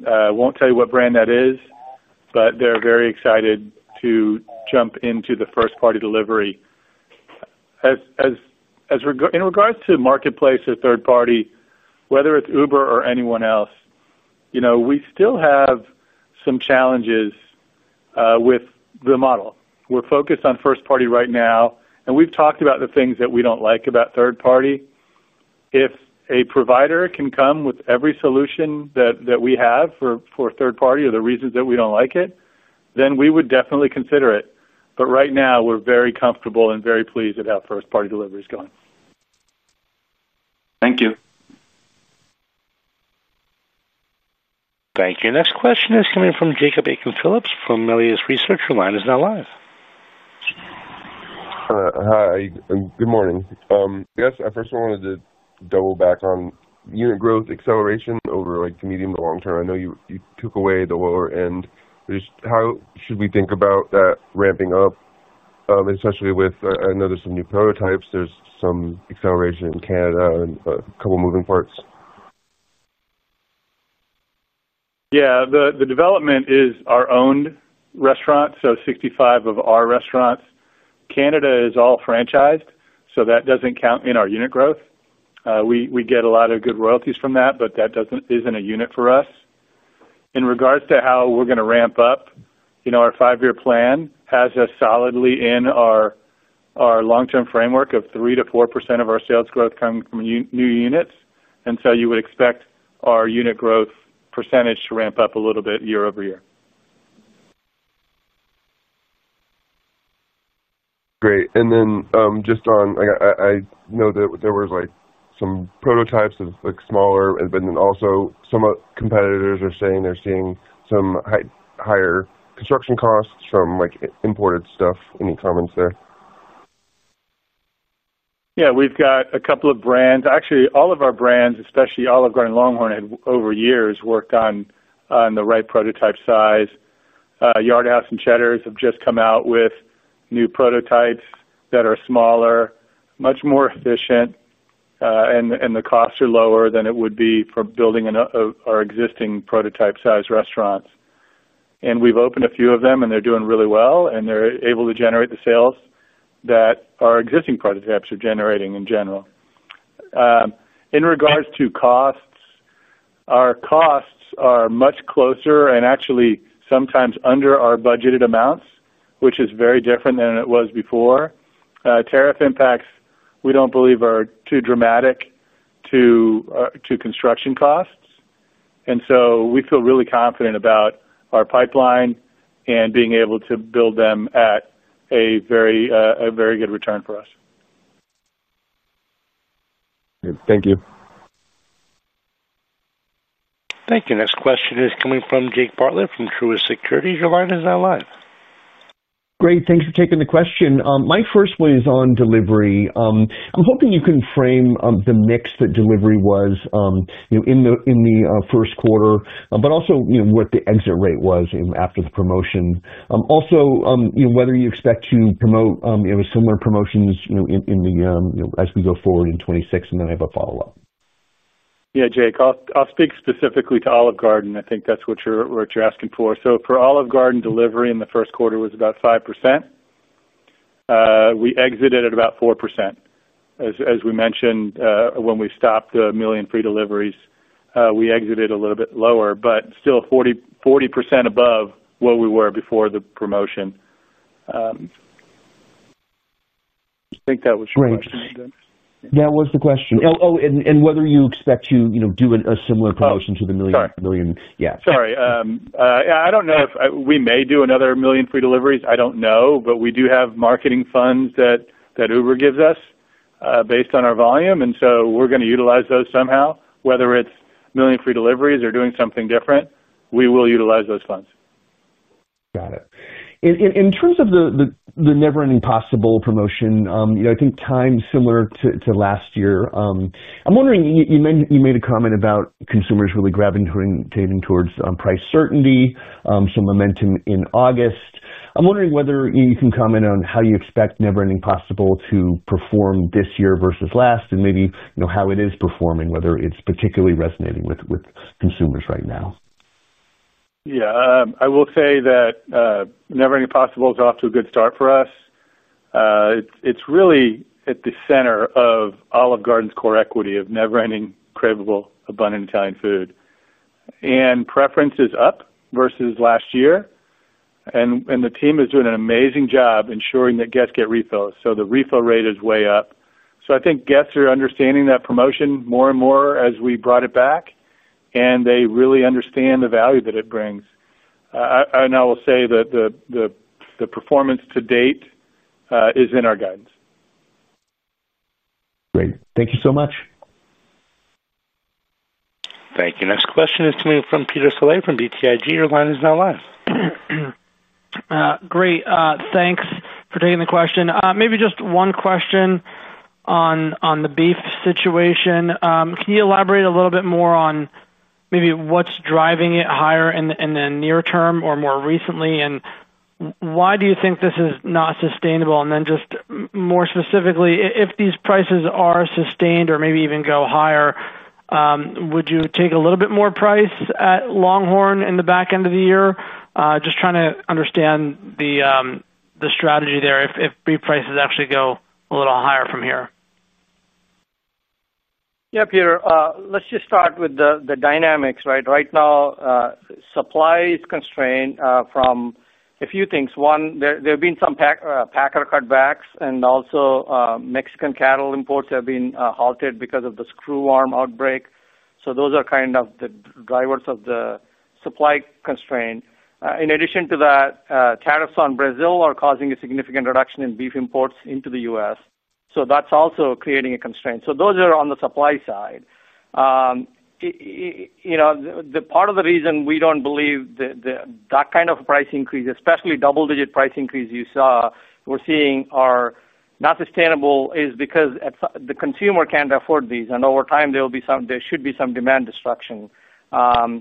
I won't tell you what brand that is, but they're very excited to jump into the first-party delivery. In regards to marketplace or third party, whether it's Uber or anyone else, we still have some challenges with the model. We're focused on first party right now, and we've talked about the things that we don't like about third party. If a provider can come with every solution that we have for third party or the reasons that we don't like it, then we would definitely consider it. Right now, we're very comfortable and very pleased at how first-party delivery is going. Thank you. Thank you. Next question is coming from Jacob Aiken-Phillips from Melius Research. Your line is now live. Hi. Good morning. I first wanted to double back on unit growth acceleration over the medium to long term. I know you took away the lower end. How should we think about that ramping up, especially with I know there's some new prototypes, some acceleration in Canada, and a couple of moving parts. Yeah, the development is our owned restaurant, so 65 of our restaurants. Canada is all franchised, so that doesn't count in our unit growth. We get a lot of good royalties from that, but that isn't a unit for us. In regards to how we're going to ramp up, our five-year plan has us solidly in our long-term framework of 3%-4% of our sales growth coming from new units. You would expect our unit growth percentage to ramp up a little bit year-over-year. Great. Just on, I know that there were some prototypes of smaller, and also some competitors are saying they're seeing some higher construction costs, some imported stuff. Any comments there? Yeah, we've got a couple of brands. Actually, all of our brands, especially Olive Garden and LongHorn, have over years worked on the right prototype size. Yard House and Cheddar's have just come out with new prototypes that are smaller, much more efficient, and the costs are lower than it would be for building our existing prototype-sized restaurants. We've opened a few of them, and they're doing really well, and they're able to generate the sales that our existing prototypes are generating in general. In regards to costs, our costs are much closer and actually sometimes under our budgeted amounts, which is very different than it was before. Tariff impacts, we don't believe, are too dramatic to construction costs. We feel really confident about our pipeline and being able to build them at a very good return for us. Thank you. Thank you. Next question is coming from Jake Bartlett from Truist Securities. Your line is now live. Great. Thanks for taking the question. My first one is on delivery. I'm hoping you can frame the mix that delivery was in the first quarter, but also what the exit rate was after the promotion. Also, whether you expect to promote similar promotions as we go forward in 2026, and then I have a follow-up. Yeah, Jake, I'll speak specifically to Olive Garden. I think that's what you're asking for. For Olive Garden, delivery in the first quarter was about 5%. We exited at about 4%. As we mentioned, when we stopped the million free deliveries campaign, we exited a little bit lower, but still 40% above where we were before the promotion. I think that was your question. That was the question. Oh, and whether you expect to, you know, do a similar promotion to the million free deliveries campaign. Yeah, I don't know if we may do another million free deliveries. I don't know, but we do have marketing funds that Uber gives us based on our volume. We're going to utilize those somehow. Whether it's million free deliveries or doing something different, we will utilize those funds. Got it. In terms of the Never Ending Pasta Bowl promotion, I think times are similar to last year. I'm wondering, you made a comment about consumers really gravitating towards price certainty, some momentum in August. I'm wondering whether you can comment on how you expect Never Ending Pasta Bowl to perform this year versus last and maybe how it is performing, whether it's particularly resonating with consumers right now. I will say that Never Ending Pasta Bowl is off to a good start for us. It's really at the center of Olive Garden's core equity of never-ending craveable abundant Italian food. Preference is up versus last year. The team is doing an amazing job ensuring that guests get refills, so the refill rate is way up. I think guests are understanding that promotion more and more as we brought it back, and they really understand the value that it brings. I will say that the performance to date is in our guidance. Great, thank you so much. Thank you. Next question is coming from Peter Saleh from BTIG. Your line is now live. Great. Thanks for taking the question. Maybe just one question on the beef situation. Can you elaborate a little bit more on maybe what's driving it higher in the near term or more recently? Why do you think this is not sustainable? More specifically, if these prices are sustained or maybe even go higher, would you take a little bit more price at LongHorn in the back end of the year? I'm just trying to understand the strategy there if beef prices actually go a little higher from here. Yeah, Peter, let's just start with the dynamics, right? Right now, supply is constrained from a few things. One, there have been some packer cutbacks, and also Mexican cattle imports have been halted because of the screw worm outbreak. Those are kind of the drivers of the supply constraint. In addition to that, tariffs on Brazil are causing a significant reduction in beef imports into the U.S. That's also creating a constraint. Those are on the supply side. Part of the reason we don't believe that kind of a price increase, especially double-digit price increase you're seeing, is sustainable is because the consumer can't afford these. Over time, there should be some demand destruction. Also,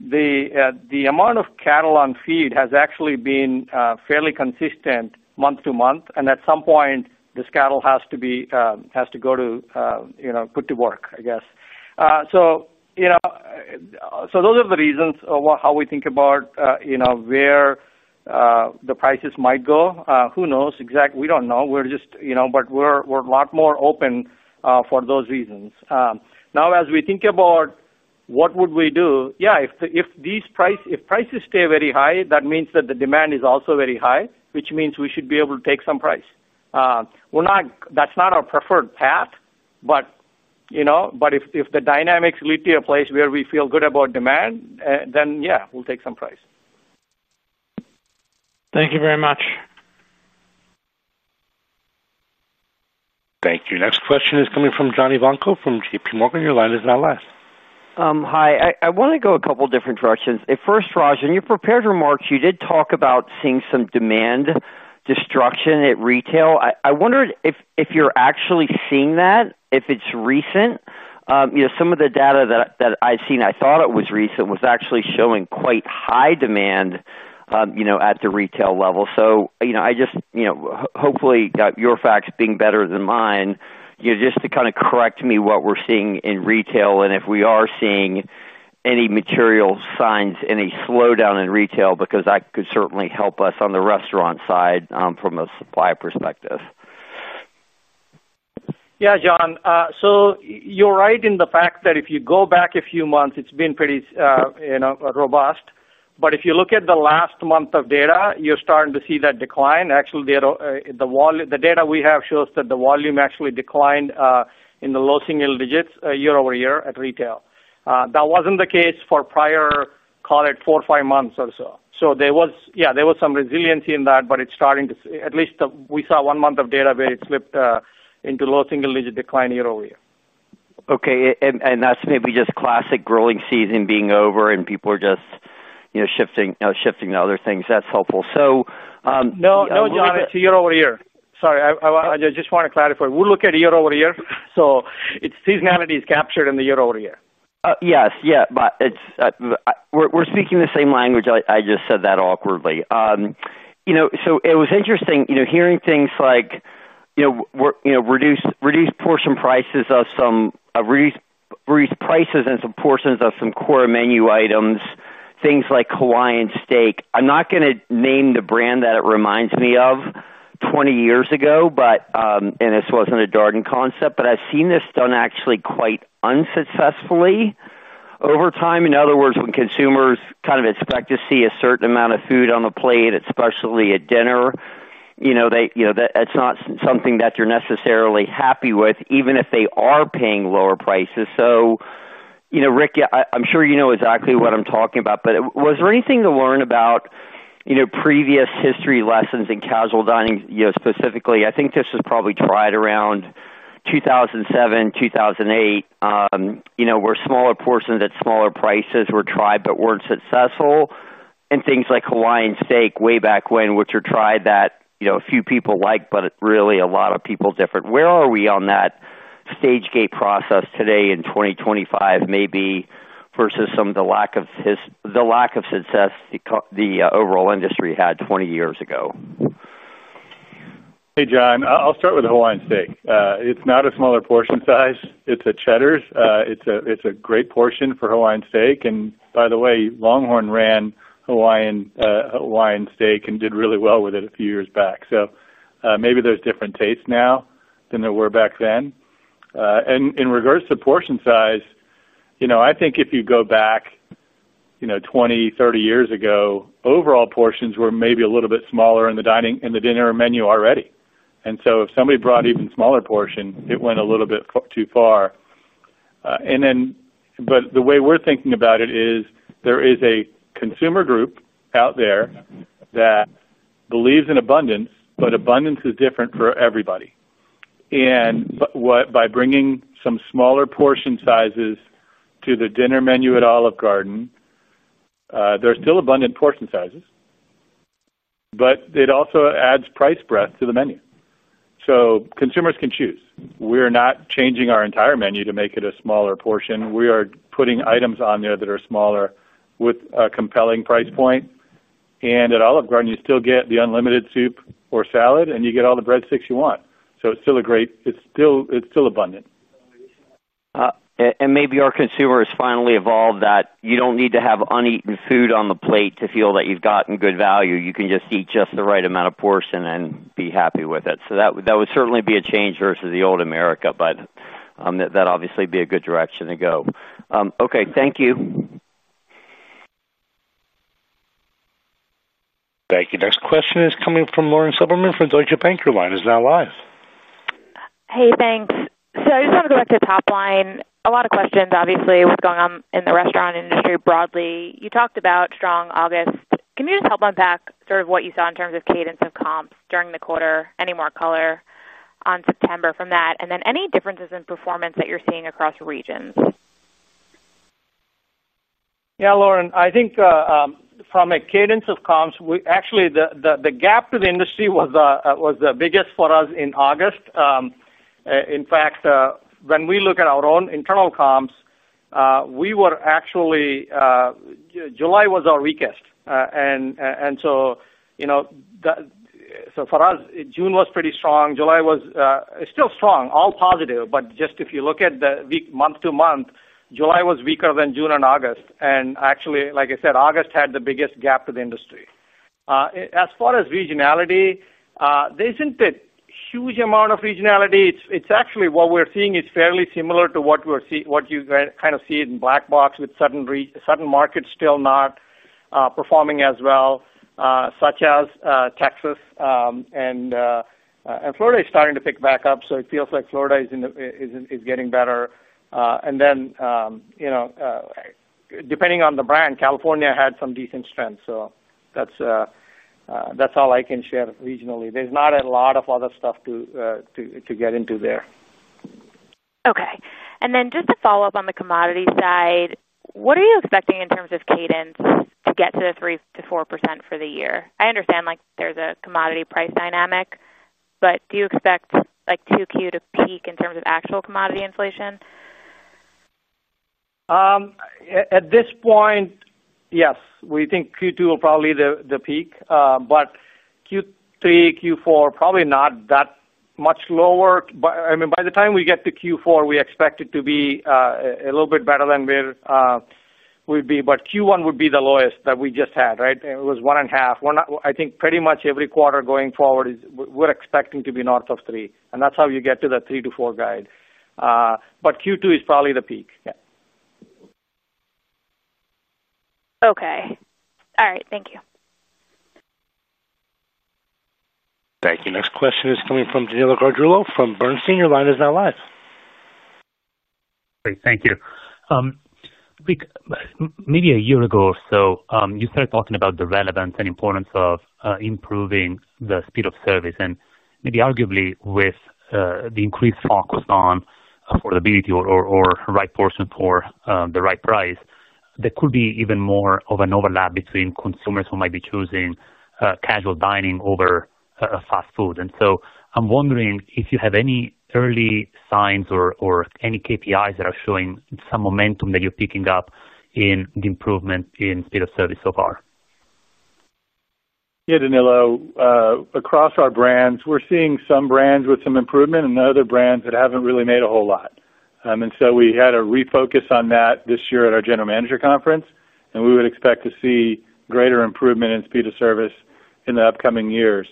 the amount of cattle on feed has actually been fairly consistent month to month. At some point, this cattle has to go to, you know, put to work, I guess. Those are the reasons of how we think about where the prices might go. Who knows? Exactly, we don't know. We're just, you know, but we're a lot more open for those reasons. Now, as we think about what would we do, yeah, if these prices stay very high, that means that the demand is also very high, which means we should be able to take some price. We're not, that's not our preferred path, but if the dynamics lead to a place where we feel good about demand, then yeah, we'll take some price. Thank you very much. Thank you. Next question is coming from John Ivanko from JPMorgan. Your line is now live. Hi. I want to go a couple of different directions. First, Raj, in your prepared remarks, you did talk about seeing some demand destruction at retail. I wondered if you're actually seeing that, if it's recent. Some of the data that I've seen, I thought it was recent, was actually showing quite high demand at the retail level. Hopefully, you've got your facts being better than mine, just to kind of correct me what we're seeing in retail and if we are seeing any material signs, any slowdown in retail because that could certainly help us on the restaurant side from a supply perspective. Yeah, John. You're right in the fact that if you go back a few months, it's been pretty, you know, robust. If you look at the last month of data, you're starting to see that decline. Actually, the data we have shows that the volume actually declined in the low single digits year-over-year at retail. That wasn't the case for prior, call it four or five months or so. There was some resiliency in that, but it's starting to, at least we saw one month of data where it slipped into low single digit decline year-over-year. Okay. That's maybe just classic growing season being over and people are just, you know, shifting to other things. That's helpful. No, John, it's year-over-year. Sorry, I just want to clarify. We look at year over year, so seasonality is captured in the year over year. Yes. Yeah. It's, we're speaking the same language. I just said that awkwardly. It was interesting hearing things like reduced prices in some portions of some core menu items, things like Hawaiian steak. I'm not going to name the brand that it reminds me of 20 years ago, and this wasn't a Darden concept, but I've seen this done actually quite unsuccessfully over time. In other words, when consumers kind of expect to see a certain amount of food on a plate, especially at dinner, that's not something that they're necessarily happy with, even if they are paying lower prices. Rick, I'm sure you know exactly what I'm talking about, but was there anything to learn about previous history lessons in casual dining, specifically? I think this was probably right around 2007, 2008, where smaller portions at smaller prices were tried but weren't successful. Things like Hawaiian steak way back when, which are tried that a few people like, but really a lot of people different. Where are we on that stage gate process today in 2025, maybe, versus some of the lack of success the overall industry had 20 years ago? Hey, John. I'll start with Hawaiian steak. It's not a smaller portion size. It's at Cheddar's. It's a great portion for Hawaiian steak. By the way, LongHorn ran Hawaiian steak and did really well with it a few years back. Maybe there's different tastes now than there were back then. In regards to portion size, if you go back 20 or 30 years ago, overall portions were maybe a little bit smaller in the dining and the dinner menu already. If somebody brought an even smaller portion, it went a little bit too far. The way we're thinking about it is there is a consumer group out there that believes in abundance, but abundance is different for everybody. By bringing some smaller portion sizes to the dinner menu at Olive Garden, there's still abundant portion sizes, but it also adds price breadth to the menu so consumers can choose. We're not changing our entire menu to make it a smaller portion. We are putting items on there that are smaller with a compelling price point. At Olive Garden, you still get the unlimited soup or salad, and you get all the breadsticks you want. It's still a great, it's still abundant. Maybe our consumers finally evolved that you don't need to have uneaten food on the plate to feel that you've gotten good value. You can just eat just the right amount of portion and be happy with it. That would certainly be a change versus the old America, but that obviously would be a good direction to go. Okay. Thank you. Thank you. Next question is coming from Lauren Silberman from Deutsche Bank. Your line is now live. Thanks. I just wanted to go back to top line. A lot of questions, obviously, what's going on in the restaurant and here broadly. You talked about strong August. Can you just help unpack sort of what you saw in terms of cadence of comps during the quarter? Any more color on September from that? Any differences in performance that you're seeing across regions? Yeah, Lauren, I think from a cadence of comps, the gap to the industry was the biggest for us in August. In fact, when we look at our own internal comps, July was our weakest. For us, June was pretty strong. July was still strong, all positive, but if you look at the week month to month, July was weaker than June and August. Actually, like I said, August had the biggest gap to the industry. As far as regionality, there isn't a huge amount of regionality. It's actually what we're seeing is fairly similar to what you see in Black Box with certain markets still not performing as well, such as Texas. Florida is starting to pick back up. It feels like Florida is getting better. Depending on the brand, California had some decent strengths. That's all I can share regionally. There's not a lot of other stuff to get into there. Okay. Just to follow up on the commodity side, what are you expecting in terms of cadence to get to the 3%-4% for the year? I understand there's a commodity price dynamic, but do you expect Q2 to peak in terms of actual commodity inflation? At this point, yes, we think Q2 will probably be the peak. Q3 and Q4 are probably not that much lower. By the time we get to Q4, we expect it to be a little bit better than where we'd be. Q1 would be the lowest that we just had, right? It was 1.5. I think pretty much every quarter going forward, we're expecting to be north of 3. That's how you get to that 3-4 guide. Q2 is probably the peak. Yeah. Okay. All right. Thank you. Thank you. Next question is coming from Danilo Gargiulo from Bernstein. Your line is now live. Great. Thank you. Maybe a year ago or so, you started talking about the relevance and importance of improving the speed of service. Maybe arguably with the increased focus on affordability or right portion for the right price, there could be even more of an overlap between consumers who might be choosing casual dining over fast food. I'm wondering if you have any early signs or any KPIs that are showing some momentum that you're picking up in the improvement in speed of service so far. Yeah, Danilo, across our brands, we're seeing some brands with some improvement and other brands that haven't really made a whole lot. We had a refocus on that this year at our General Manager Conference, and we would expect to see greater improvement in speed of service in the upcoming years.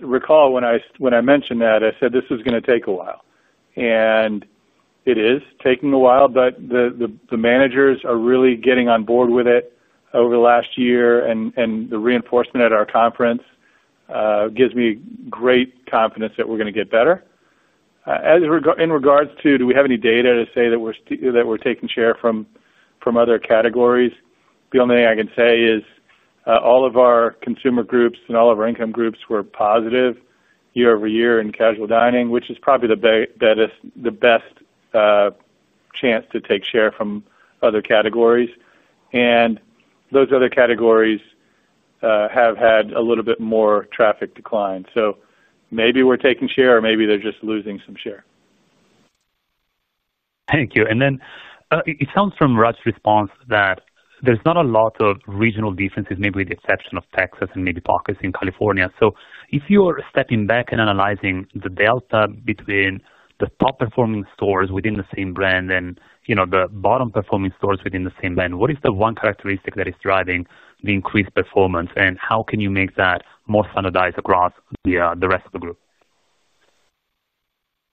Recall when I mentioned that, I said this was going to take a while. It is taking a while, but the managers are really getting on board with it over the last year. The reinforcement at our conference gives me great confidence that we're going to get better. In regards to do we have any data to say that we're taking share from other categories, the only thing I can say is all of our consumer groups and all of our income groups were positive year-over-year in casual dining, which is probably the best chance to take share from other categories. Those other categories have had a little bit more traffic decline. Maybe we're taking share or maybe they're just losing some share. Thank you. It sounds from Raj's response that there's not a lot of regional differences, maybe with the exception of Texas and maybe pockets in California. If you are stepping back and analyzing the delta between the top-performing stores within the same brand and the bottom-performing stores within the same brand, what is the one characteristic that is driving the increased performance? How can you make that more standardized across the rest of the group?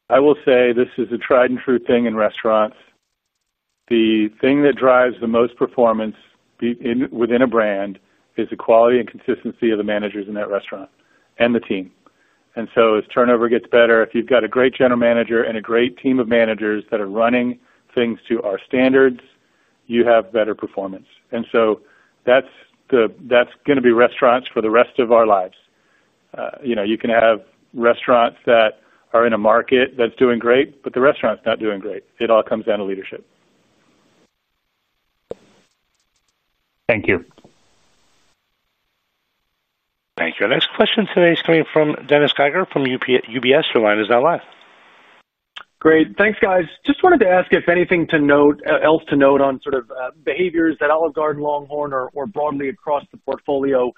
I will say this is a tried and true thing in restaurants. The thing that drives the most performance within a brand is the quality and consistency of the managers in that restaurant and the team. As turnover gets better, if you've got a great General Manager and a great team of managers that are running things to our standards, you have better performance. That's going to be restaurants for the rest of our lives. You know, you can have restaurants that are in a market that's doing great, but the restaurant's not doing great. It all comes down to leadership. Thank you. Thank you. Our next question today is coming from Dennis Geiger from UBS. Your line is now live. Great. Thanks, guys. Just wanted to ask if anything else to note on sort of behaviors at Olive Garden, LongHorn, or broadly across the portfolio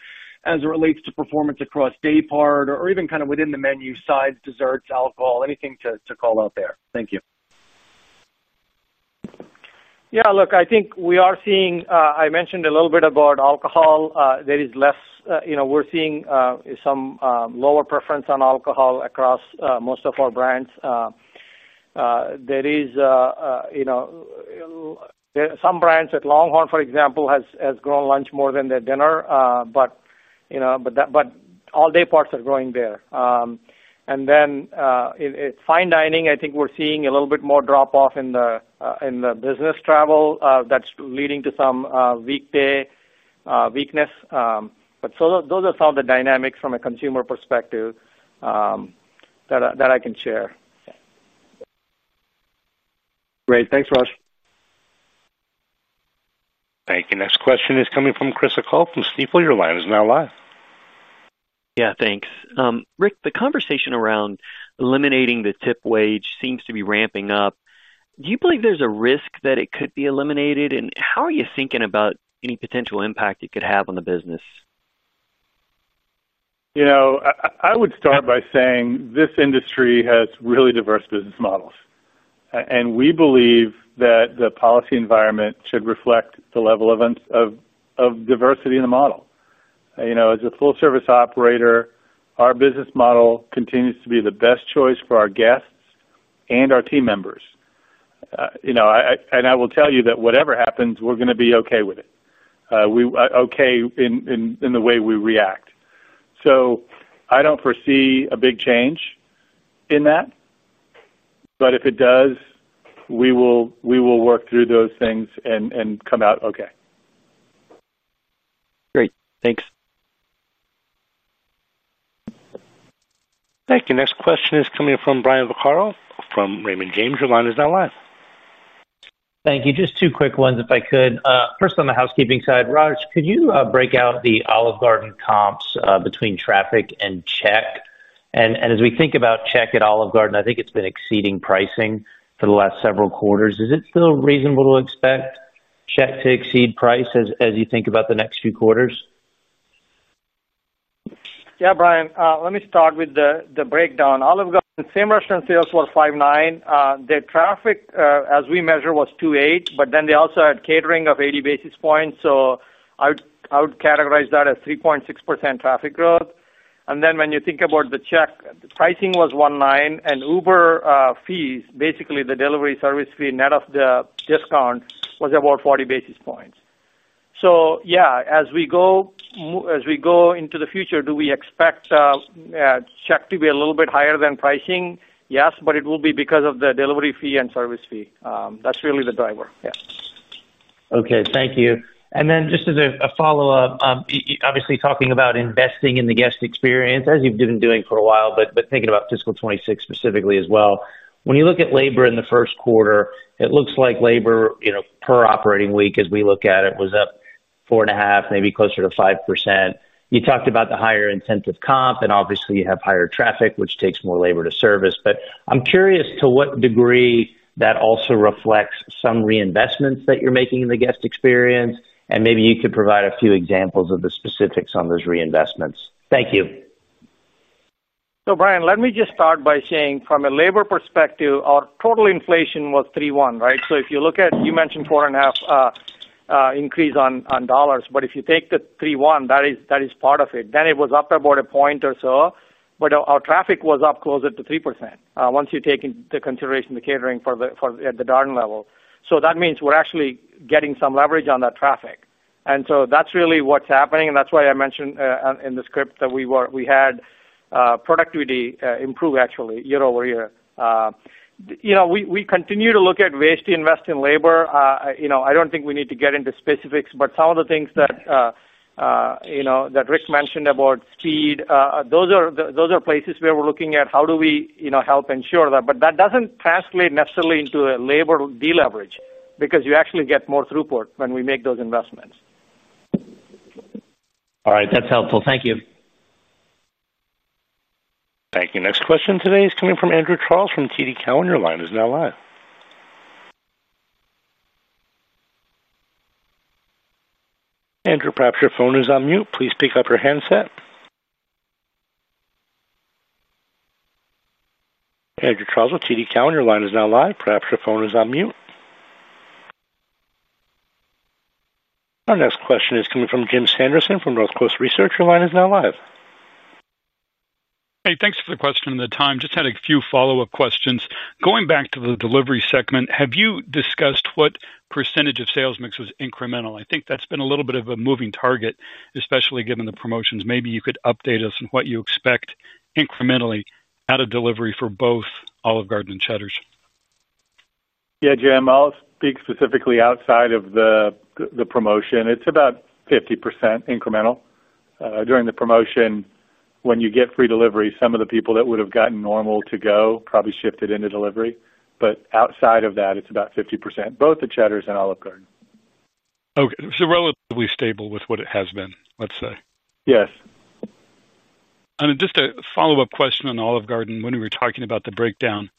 as it relates to performance across day part or even kind of within the menu side, desserts, alcohol, anything to call out there. Thank you. Yeah, look, I think we are seeing, I mentioned a little bit about alcohol. There is less, you know, we're seeing some lower preference on alcohol across most of our brands. There are some brands at LongHorn, for example, that have grown lunch more than their dinner, but all day parts are growing there. In fine dining, I think we're seeing a little bit more drop-off in the business travel that's leading to some weekday weakness. Those are some of the dynamics from a consumer perspective that I can share. Great. Thanks, Raj. Thank you. Next question is coming from Chris O'Cull from Stifel. Your line is now live. Yeah, thanks. The Conversation around eliminating the tip wage seems to be ramping up. Do you believe there's a risk that it could be eliminated? How are you thinking about any potential impact it could have on the business? I would start by saying this industry has really diverse business models, and we believe that the policy environment should reflect the level of diversity in the model. As a full-service operator, our business model continues to be the best choice for our guests and our team members. I will tell you that whatever happens, we're going to be OK with it. We are OK in the way we react. I don't foresee a big change in that. If it does, we will work through those things and come out OK. Great. Thanks. Thank you. Next question is coming from Brian Vaccaro from Raymond James. Your line is now live. Thank you. Just two quick ones, if I could. First, on the housekeeping side, Raj, could you break out the Olive Garden comps between traffic and check? As we think about check at Olive Garden, I think it's been exceeding pricing for the last several quarters. Is it still reasonable to expect check to exceed price as you think about the next few quarters? Yeah, Brian, let me start with the breakdown. Olive Garden same restaurant sales were 5.9%. Their traffic, as we measure, was 2.8%. They also had catering of 80 basis points. I would categorize that as 3.6% traffic growth. When you think about the check, the pricing was 1.9%. Uber fees, basically the delivery service fee net of the discount, was about 40 basis points. As we go into the future, do we expect check to be a little bit higher than pricing? Yes, but it will be because of the delivery fee and service fee. That's really the driver. Yeah. OK, thank you. Just as a follow-up, obviously talking about investing in the guest experience, as you've been doing for a while, thinking about fiscal 2026 specifically as well, when you look at labor in the first quarter, it looks like labor per operating week, as we look at it, was up 4.5%, maybe closer to 5%. You talked about the higher intensive comp. You have higher traffic, which takes more labor to service. I'm curious to what degree that also reflects some reinvestments that you're making in the guest experience. Maybe you could provide a few examples of the specifics on those reinvestments. Thank you. Brian, let me just start by saying, from a labor perspective, our total inflation was 3.1%. If you look at, you mentioned 4.5% increase on dollars. If you take the 3.1%, that is part of it. It was up about a point or so. Our traffic was up closer to 3% once you take into consideration the catering at the Darden level. That means we're actually getting some leverage on that traffic. That's really what's happening. That's why I mentioned in the script that we had productivity improve, actually, year-over-year. We continue to look at ways to invest in labor. I don't think we need to get into specifics. Some of the things that Rick mentioned about speed, those are places where we're looking at how do we help ensure that. That doesn't translate necessarily into a labor deleverage, because you actually get more throughput when we make those investments. All right. That's helpful. Thank you. Thank you. Next question today is coming from Andrew Charles from TD Cowen. Your line is now live. Andrew, perhaps your phone is on mute. Please pick up your headset. Andrew Charles with TD Cowen. Your line is now live. Perhaps your phone is on mute. Our next question is coming from Jim Sanderson from Northcoast Research. Your line is now live. Hey, thanks for the question and the time. Just had a few follow-up questions. Going back to the delivery segment, have you discussed what percentage of sales mix is incremental? I think that's been a little bit of a moving target, especially given the promotions. Maybe you could update us on what you expect incrementally out of delivery for both Olive Garden and Cheddar's. Jim, I'll speak specifically outside of the promotion. It's about 50% incremental. During the promotion, when you get free delivery, some of the people that would have gotten normal to go probably shifted into delivery. Outside of that, it's about 50%, both the Cheddar's and Olive Garden. OK, relatively stable with what it has been, let's say. Yes. Just a follow-up question on Olive Garden. When we were talking about the breakdown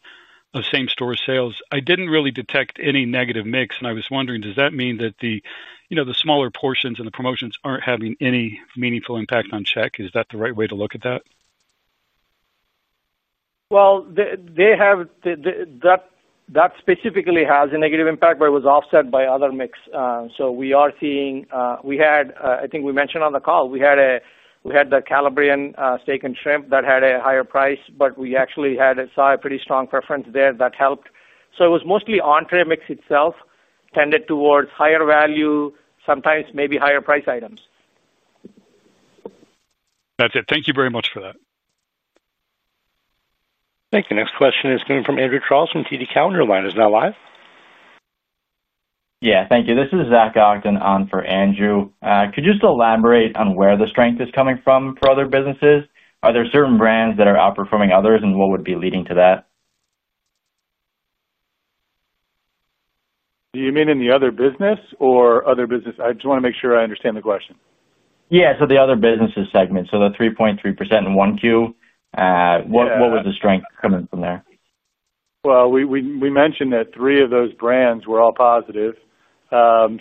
of same restaurant sales, I didn't really detect any negative mix. I was wondering, does that mean that the smaller portions and the promotions aren't having any meaningful impact on check? Is that the right way to look at that? That specifically has a negative impact, but it was offset by other mix. We are seeing, I think we mentioned on the call, we had the Calabrian Steak and Shrimp that had a higher price. We actually saw a pretty strong preference there that helped. It was mostly entree mix itself, tended towards higher value, sometimes maybe higher price items. That's it. Thank you very much for that. Thank you. Next question is coming from Andrew Charles from TD Cowen. Your line is now live. Thank you. This is Zach Ogden on for Andrew. Could you just elaborate on where the strength is coming from for other businesses? Are there certain brands that are outperforming others? What would be leading to that? Do you mean in the other business or other business? I just want to make sure I understand the question. Yeah, the other businesses segment, the 3.3% in Q1, what was the strength coming from there? Three of those brands were all positive,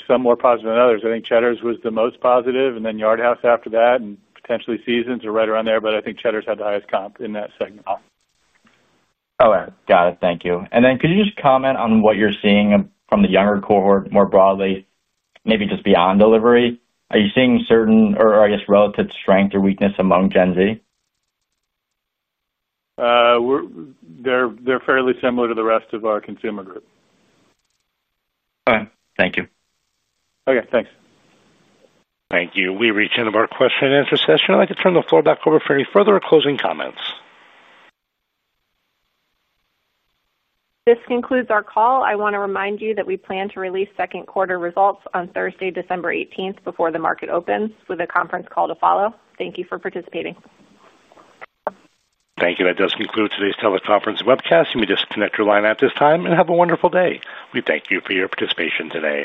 some more positive than others. I think Cheddar's was the most positive. Yard House after that, and potentially Seasons are right around there. I think Cheddar's had the highest comp in that segment. Thank you. Could you just comment on what you're seeing from the younger cohort more broadly, maybe just beyond delivery? Are you seeing certain, or I guess, relative strength or weakness among Gen Z? They're fairly similar to the rest of our consumer group. OK, thank you. OK, thanks. Thank you. We've reached the end of our question and answer session. I'd like to turn the floor back over for any further or closing comments. This concludes our call. I want to remind you that we plan to release second quarter results on Thursday, December 18, before the market opens, with a conference call to follow. Thank you for participating. Thank you. That does conclude today's teleconference webcast. You may disconnect your line at this time and have a wonderful day. We thank you for your participation today.